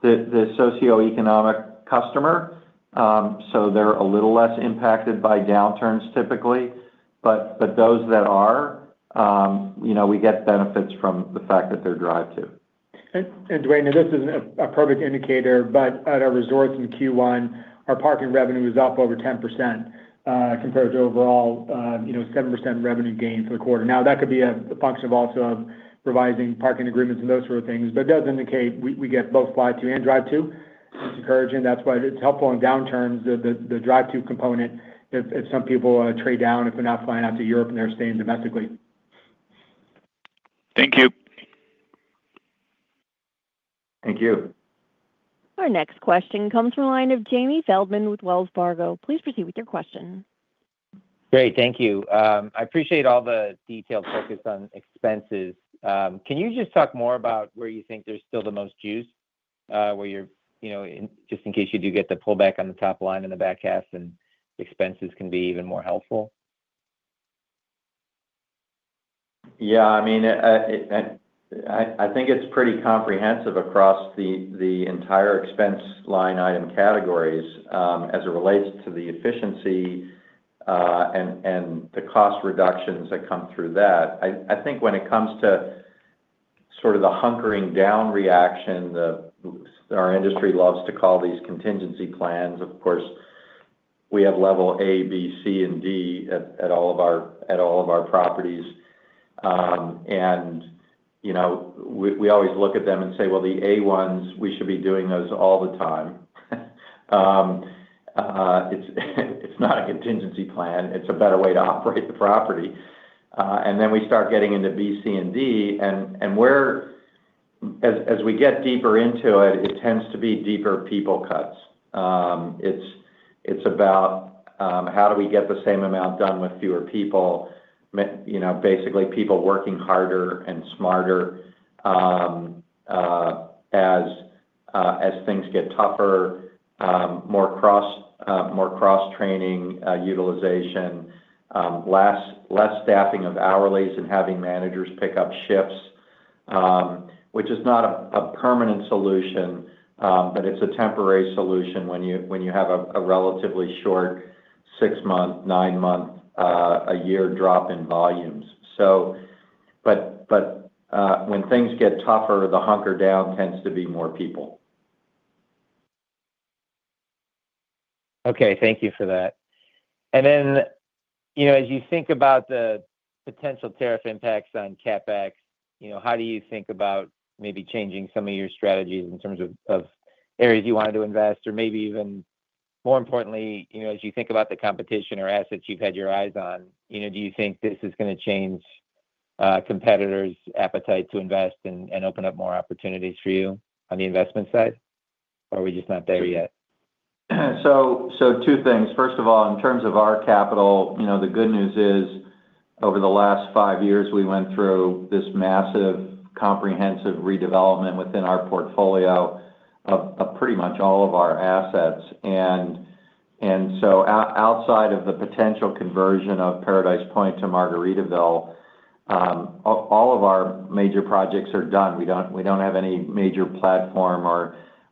the socioeconomic customer, so they're a little less impacted by downturns, typically. Those that are, we get benefits from the fact that they're drive-to. Dwayne, this is not a perfect indicator, but at our resorts in Q1, our parking revenue was up over 10% compared to overall 7% revenue gain for the quarter. That could be a function also of revising parking agreements and those sort of things. It does indicate we get both fly-to and drive-to. It is encouraging. That is why it is helpful in downturns, the drive-to component, if some people trade down if they are not flying out to Europe and they are staying domestically. Thank you. Thank you. Our next question comes from the line of Jamie Feldman with Wells Fargo. Please proceed with your question. Great. Thank you. I appreciate all the details focused on expenses. Can you just talk more about where you think there's still the most juice, just in case you do get the pullback on the top line and the back half, and expenses can be even more helpful? Yeah. I mean, I think it's pretty comprehensive across the entire expense line item categories as it relates to the efficiency and the cost reductions that come through that. I think when it comes to sort of the hunkering down reaction, our industry loves to call these contingency plans. Of course, we have level A, B, C, and D at all of our properties. We always look at them and say, "Well, the A ones, we should be doing those all the time." It's not a contingency plan. It's a better way to operate the property. Then we start getting into B, C, and D. As we get deeper into it, it tends to be deeper people cuts. It's about how do we get the same amount done with fewer people, basically people working harder and smarter as things get tougher, more cross-training utilization, less staffing of hourlies, and having managers pick up shifts, which is not a permanent solution, but it's a temporary solution when you have a relatively short six-month, nine-month, a year drop in volumes. When things get tougher, the hunker down tends to be more people. Okay. Thank you for that. As you think about the potential tariff impacts on CapEx, how do you think about maybe changing some of your strategies in terms of areas you wanted to invest? Maybe even more importantly, as you think about the competition or assets you've had your eyes on, do you think this is going to change competitors' appetite to invest and open up more opportunities for you on the investment side, or are we just not there yet? Two things. First of all, in terms of our capital, the good news is over the last five years, we went through this massive comprehensive redevelopment within our portfolio of pretty much all of our assets. Outside of the potential conversion of Paradise Point to Margaritaville, all of our major projects are done. We don't have any major platform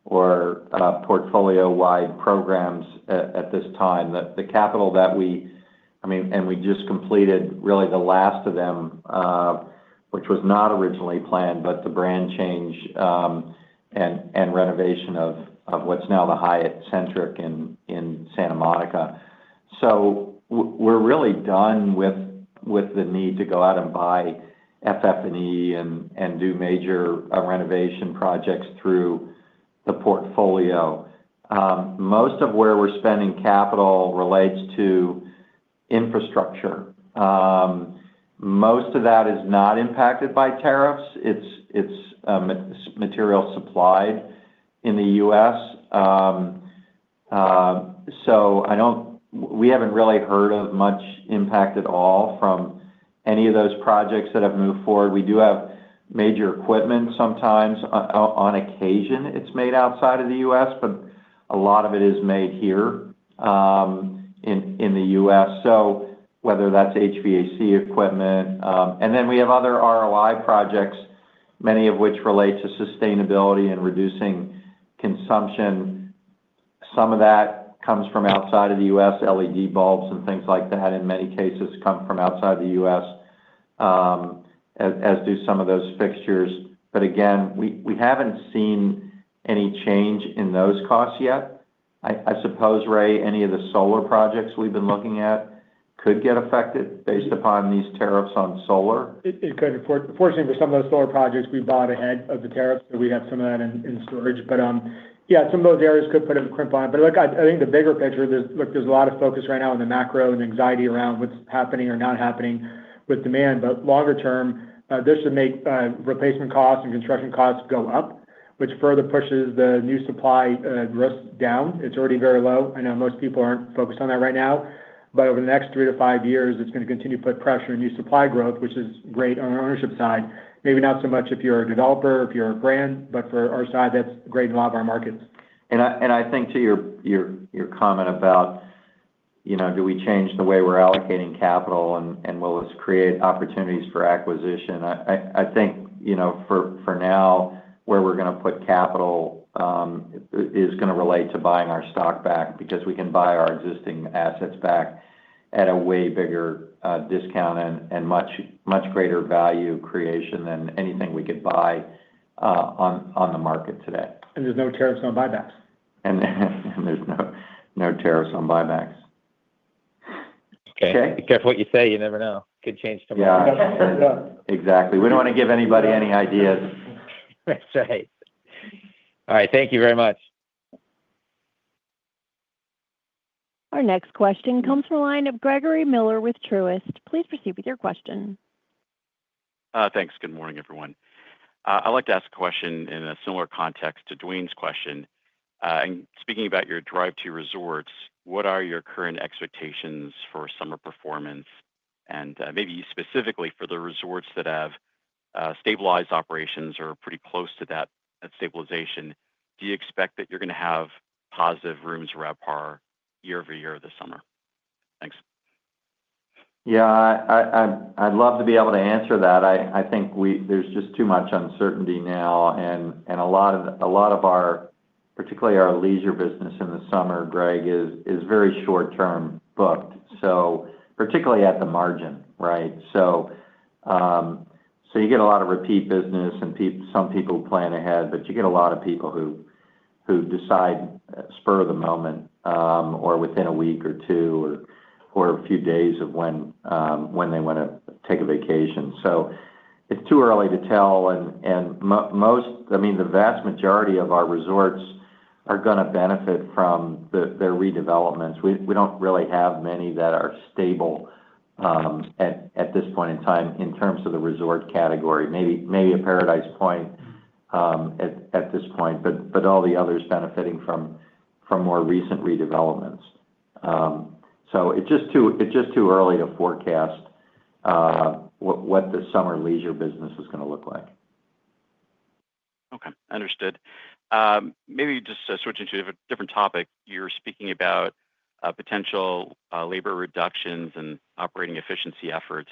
or portfolio-wide programs at this time. The capital that we—I mean, and we just completed really the last of them, which was not originally planned, but the brand change and renovation of what's now the Hyatt Centric in Santa Monica. We're really done with the need to go out and buy FF&E and do major renovation projects through the portfolio. Most of where we're spending capital relates to infrastructure. Most of that is not impacted by tariffs. It's material supplied in the U.S. We haven't really heard of much impact at all from any of those projects that have moved forward. We do have major equipment. Sometimes, on occasion, it's made outside of the U.S., but a lot of it is made here in the U.S., whether that's HVAC equipment. Then we have other ROI projects, many of which relate to sustainability and reducing consumption. Some of that comes from outside of the U.S. LED bulbs and things like that, in many cases, come from outside the U.S., as do some of those fixtures. Again, we haven't seen any change in those costs yet. I suppose, Ray, any of the solar projects we've been looking at could get affected based upon these tariffs on solar. It could. Fortunately, for some of those solar projects, we bought ahead of the tariffs, so we have some of that in storage. Yeah, some of those areas could put a crimp on it. Look, I think the bigger picture, there's a lot of focus right now on the macro and anxiety around what's happening or not happening with demand. Longer term, this should make replacement costs and construction costs go up, which further pushes the new supply risk down. It's already very low. I know most people aren't focused on that right now. Over the next three to five years, it's going to continue to put pressure on new supply growth, which is great on our ownership side. Maybe not so much if you're a developer, if you're a brand, but for our side, that's great in a lot of our markets. I think to your comment about, "Do we change the way we're allocating capital, and will this create opportunities for acquisition?" I think for now, where we're going to put capital is going to relate to buying our stock back because we can buy our existing assets back at a way bigger discount and much greater value creation than anything we could buy on the market today. There's no tariffs on buybacks. There's no tariffs on buybacks. Okay. Be careful what you say. You never know. It could change tomorrow. Exactly. We don't want to give anybody any ideas. That's right. All right. Thank you very much. Our next question comes from the line of Gregory Miller with Truist. Please proceed with your question. Thanks. Good morning, everyone. I'd like to ask a question in a similar context to Dwayne's question. Speaking about your drive-to resorts, what are your current expectations for summer performance? Maybe specifically for the resorts that have stabilized operations or are pretty close to that stabilization, do you expect that you're going to have positive rooms RevPAR year over year this summer? Thanks. Yeah. I'd love to be able to answer that. I think there's just too much uncertainty now. A lot of our, particularly our leisure business in the summer, Greg, is very short-term booked, particularly at the margin, right? You get a lot of repeat business, and some people plan ahead, but you get a lot of people who decide spur of the moment or within a week or two or a few days of when they want to take a vacation. It is too early to tell. I mean, the vast majority of our resorts are going to benefit from their redevelopments. We do not really have many that are stable at this point in time in terms of the resort category. Maybe a Paradise Point at this point, but all the others benefiting from more recent redevelopments. It is just too early to forecast what the summer leisure business is going to look like. Okay. Understood. Maybe just switching to a different topic. You were speaking about potential labor reductions and operating efficiency efforts.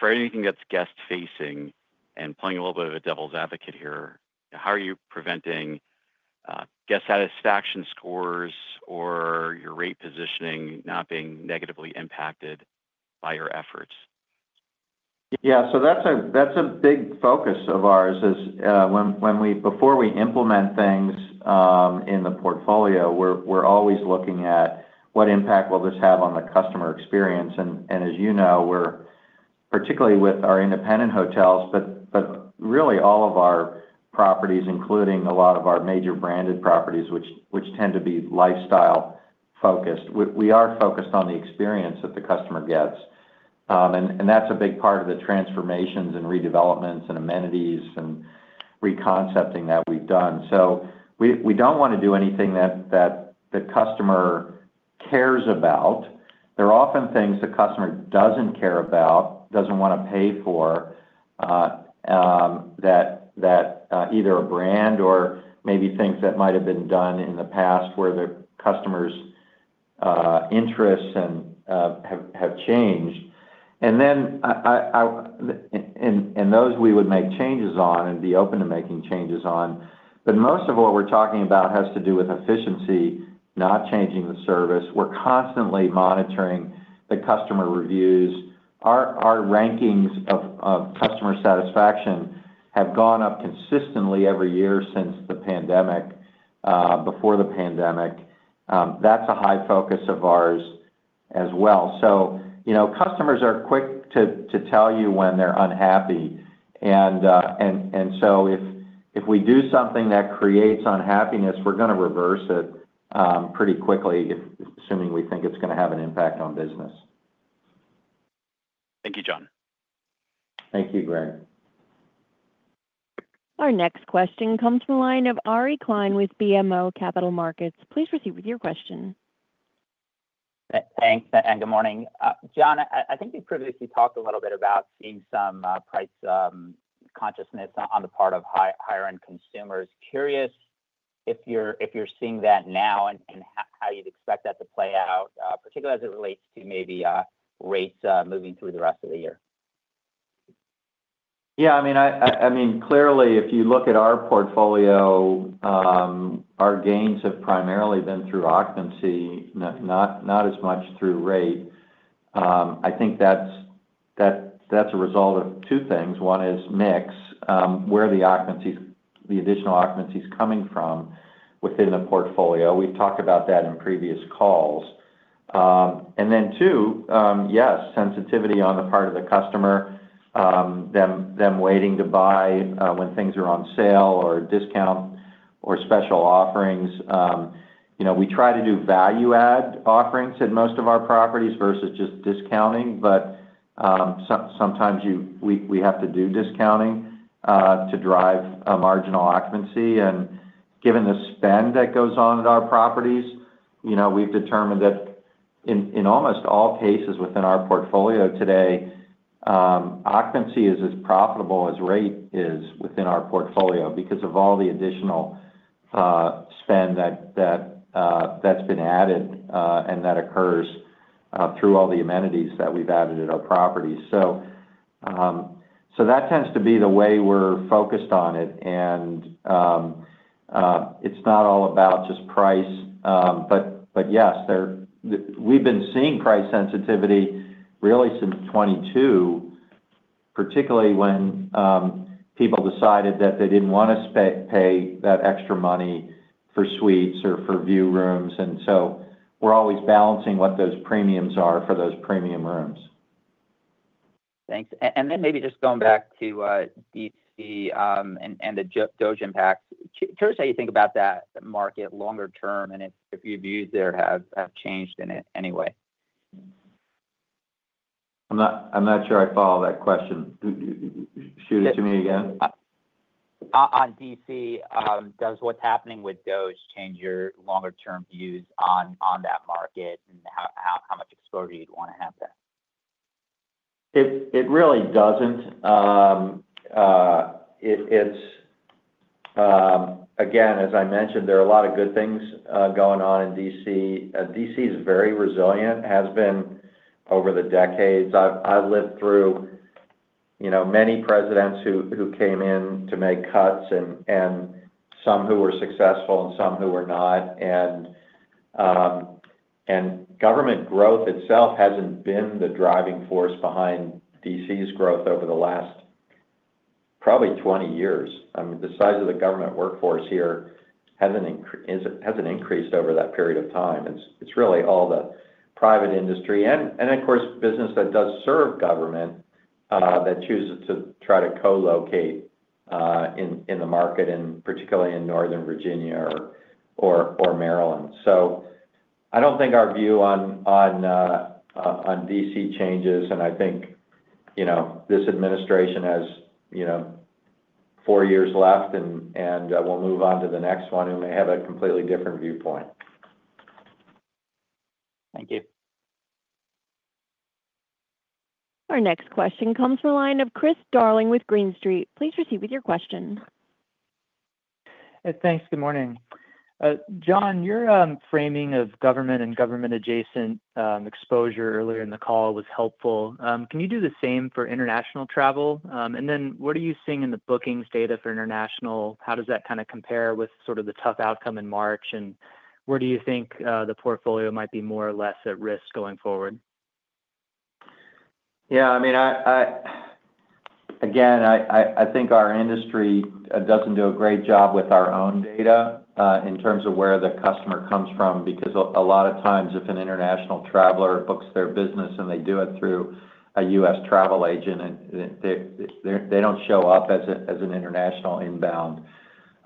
For anything that's guest-facing and playing a little bit of a devil's advocate here, how are you preventing guest satisfaction scores or your rate positioning not being negatively impacted by your efforts? Yeah. That's a big focus of ours is before we implement things in the portfolio, we're always looking at what impact will this have on the customer experience. As you know, particularly with our independent hotels, but really all of our properties, including a lot of our major branded properties, which tend to be lifestyle-focused, we are focused on the experience that the customer gets. That's a big part of the transformations and redevelopments and amenities and reconcepting that we've done. We don't want to do anything that the customer cares about. There are often things the customer does not care about, does not want to pay for, that either a brand or maybe things that might have been done in the past where the customer's interests have changed. Those we would make changes on and be open to making changes on. Most of what we are talking about has to do with efficiency, not changing the service. We are constantly monitoring the customer reviews. Our rankings of customer satisfaction have gone up consistently every year since the pandemic, before the pandemic. That is a high focus of ours as well. Customers are quick to tell you when they are unhappy. If we do something that creates unhappiness, we are going to reverse it pretty quickly, assuming we think it is going to have an impact on business. Thank you, Jon. Thank you, Greg. Our next question comes from the line of Ari Klein with BMO Capital Markets. Please proceed with your question. Thanks. And good morning. Jon, I think you previously talked a little bit about seeing some price consciousness on the part of higher-end consumers. Curious if you're seeing that now and how you'd expect that to play out, particularly as it relates to maybe rates moving through the rest of the year. Yeah. I mean, clearly, if you look at our portfolio, our gains have primarily been through occupancy, not as much through rate. I think that's a result of two things. One is mix, where the additional occupancy is coming from within the portfolio. We've talked about that in previous calls. And then two, yes, sensitivity on the part of the customer, them waiting to buy when things are on sale or discount or special offerings. We try to do value-add offerings at most of our properties versus just discounting, but sometimes we have to do discounting to drive marginal occupancy. Given the spend that goes on at our properties, we've determined that in almost all cases within our portfolio today, occupancy is as profitable as rate is within our portfolio because of all the additional spend that's been added and that occurs through all the amenities that we've added at our properties. That tends to be the way we're focused on it. It's not all about just price. Yes, we've been seeing price sensitivity really since 2022, particularly when people decided that they didn't want to pay that extra money for suites or for view rooms. We're always balancing what those premiums are for those premium rooms. Thanks. Maybe just going back to D.C. and the DOGE impacts, curious how you think about that market longer term and if your views there have changed in it anyway. I'm not sure I follow that question. Shoot it to me again. On D.C., does what's happening with DOGE change your longer-term views on that market and how much exposure you'd want to have there? It really doesn't. Again, as I mentioned, there are a lot of good things going on in D.C. D.C. is very resilient, has been over the decades. I've lived through many presidents who came in to make cuts and some who were successful and some who were not. Government growth itself hasn't been the driving force behind D.C.'s growth over the last probably 20 years. I mean, the size of the government workforce here hasn't increased over that period of time. It's really all the private industry and, of course, business that does serve government that chooses to try to co-locate in the market, and particularly in Northern Virginia or Maryland. I don't think our view on D.C. changes. I think this administration has four years left and will move on to the next one who may have a completely different viewpoint. Thank you. Our next question comes from the line of Chris Darling with Green Street. Please proceed with your question. Thanks. Good morning. Jon, your framing of government and government-adjacent exposure earlier in the call was helpful. Can you do the same for international travel? What are you seeing in the bookings data for international? How does that kind of compare with sort of the tough outcome in March? Where do you think the portfolio might be more or less at risk going forward? Yeah. I mean, again, I think our industry doesn't do a great job with our own data in terms of where the customer comes from because a lot of times if an international traveler books their business and they do it through a U.S. travel agent, they don't show up as an international inbound.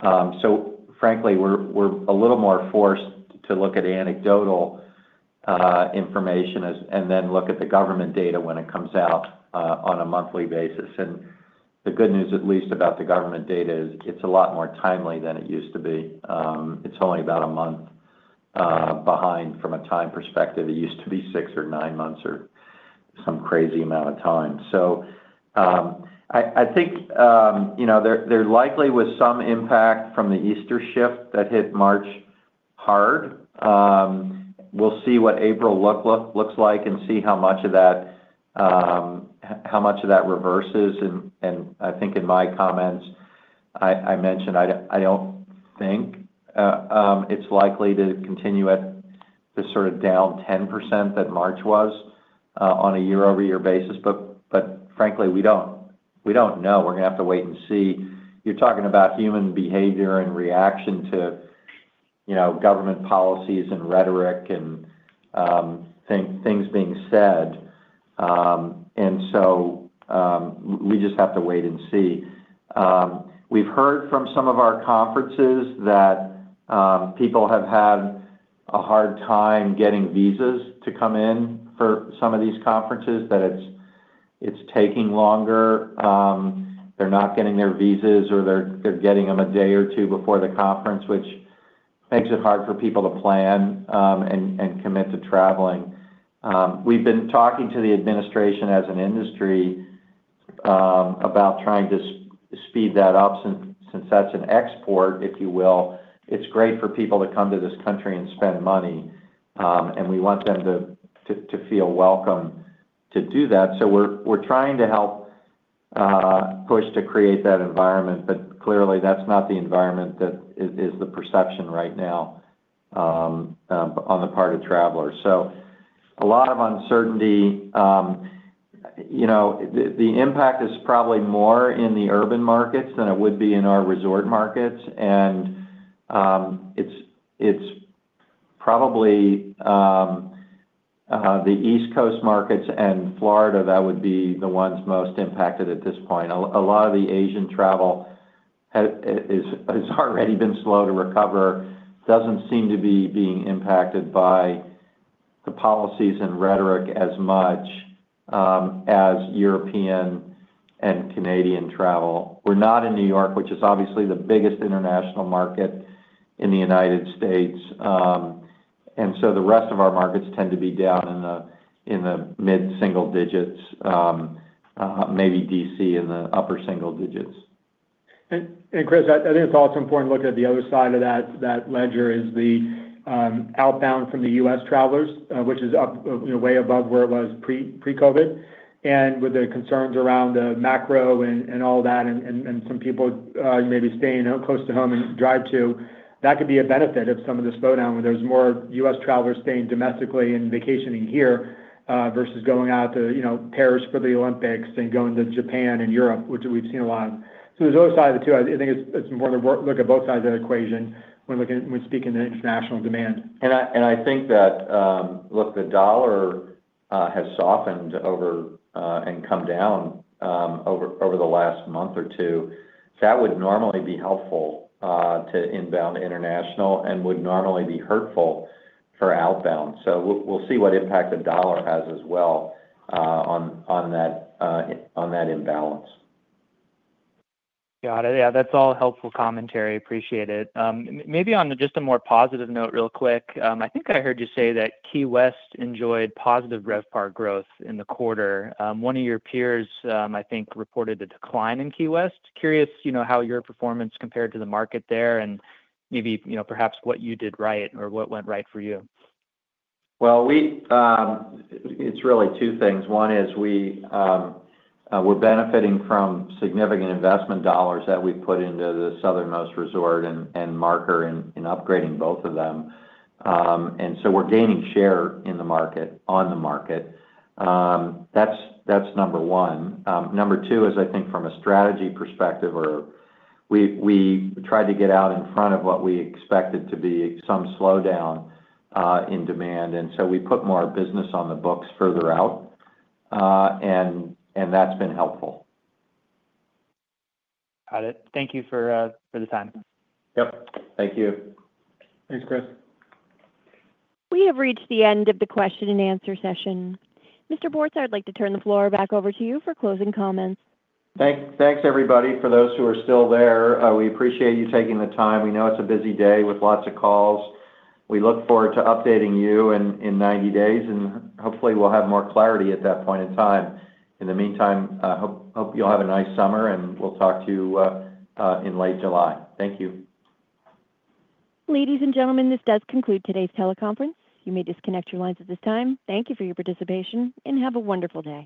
Frankly, we're a little more forced to look at anecdotal information and then look at the government data when it comes out on a monthly basis. The good news, at least, about the government data is it's a lot more timely than it used to be. It's only about a month behind from a time perspective. It used to be six or nine months or some crazy amount of time. I think there likely was some impact from the Easter shift that hit March hard. We'll see what April looks like and see how much of that reverses. I think in my comments, I mentioned I do not think it's likely to continue at the sort of down 10% that March was on a year-over-year basis. Frankly, we do not know. We are going to have to wait and see. You are talking about human behavior and reaction to government policies and rhetoric and things being said. We just have to wait and see. We've heard from some of our conferences that people have had a hard time getting visas to come in for some of these conferences, that it's taking longer. They are not getting their visas or they are getting them a day or two before the conference, which makes it hard for people to plan and commit to traveling. We've been talking to the administration as an industry about trying to speed that up since that's an export, if you will. It's great for people to come to this country and spend money. We want them to feel welcome to do that. We are trying to help push to create that environment. Clearly, that's not the environment that is the perception right now on the part of travelers. A lot of uncertainty. The impact is probably more in the urban markets than it would be in our resort markets. It's probably the East Coast markets and Florida that would be the ones most impacted at this point. A lot of the Asian travel has already been slow to recover. Doesn't seem to be being impacted by the policies and rhetoric as much as European and Canadian travel. We're not in New York, which is obviously the biggest international market in the United States. The rest of our markets tend to be down in the mid-single digits, maybe D.C. in the upper single digits. Chris, I think it's also important to look at the other side of that ledger, which is the outbound from the U.S. travelers, which is way above where it was pre-COVID. With the concerns around the macro and all that and some people maybe staying close to home and drive to, that could be a benefit of some of this slowdown where there's more U.S. travelers staying domestically and vacationing here versus going out to Paris for the Olympics and going to Japan and Europe, which we've seen a lot. There's other side of the two. I think it's important to look at both sides of the equation when speaking to international demand. I think that, look, the dollar has softened and come down over the last month or two. That would normally be helpful to inbound international and would normally be hurtful for outbound. We will see what impact the dollar has as well on that imbalance. Got it. Yeah. That's all helpful commentary. Appreciate it. Maybe on just a more positive note real quick, I think I heard you say that Key West enjoyed positive RevPAR growth in the quarter. One of your peers, I think, reported a decline in Key West. Curious how your performance compared to the market there and maybe perhaps what you did right or what went right for you. It's really two things. One is we're benefiting from significant investment dollars that we've put into the Southernmost Resort and Marker in upgrading both of them. We're gaining share in the market on the market. That's number one. Number two is, I think, from a strategy perspective, we tried to get out in front of what we expected to be some slowdown in demand. We put more business on the books further out. That's been helpful. Got it. Thank you for the time. Yep. Thank you. Thanks, Chris. We have reached the end of the question and answer session. Mr. Bortz, I'd like to turn the floor back over to you for closing comments. Thanks, everybody. For those who are still there, we appreciate you taking the time. We know it's a busy day with lots of calls. We look forward to updating you in 90 days. Hopefully, we'll have more clarity at that point in time. In the meantime, I hope you'll have a nice summer. We'll talk to you in late July. Thank you. Ladies and gentlemen, this does conclude today's teleconference. You may disconnect your lines at this time. Thank you for your participation. Have a wonderful day.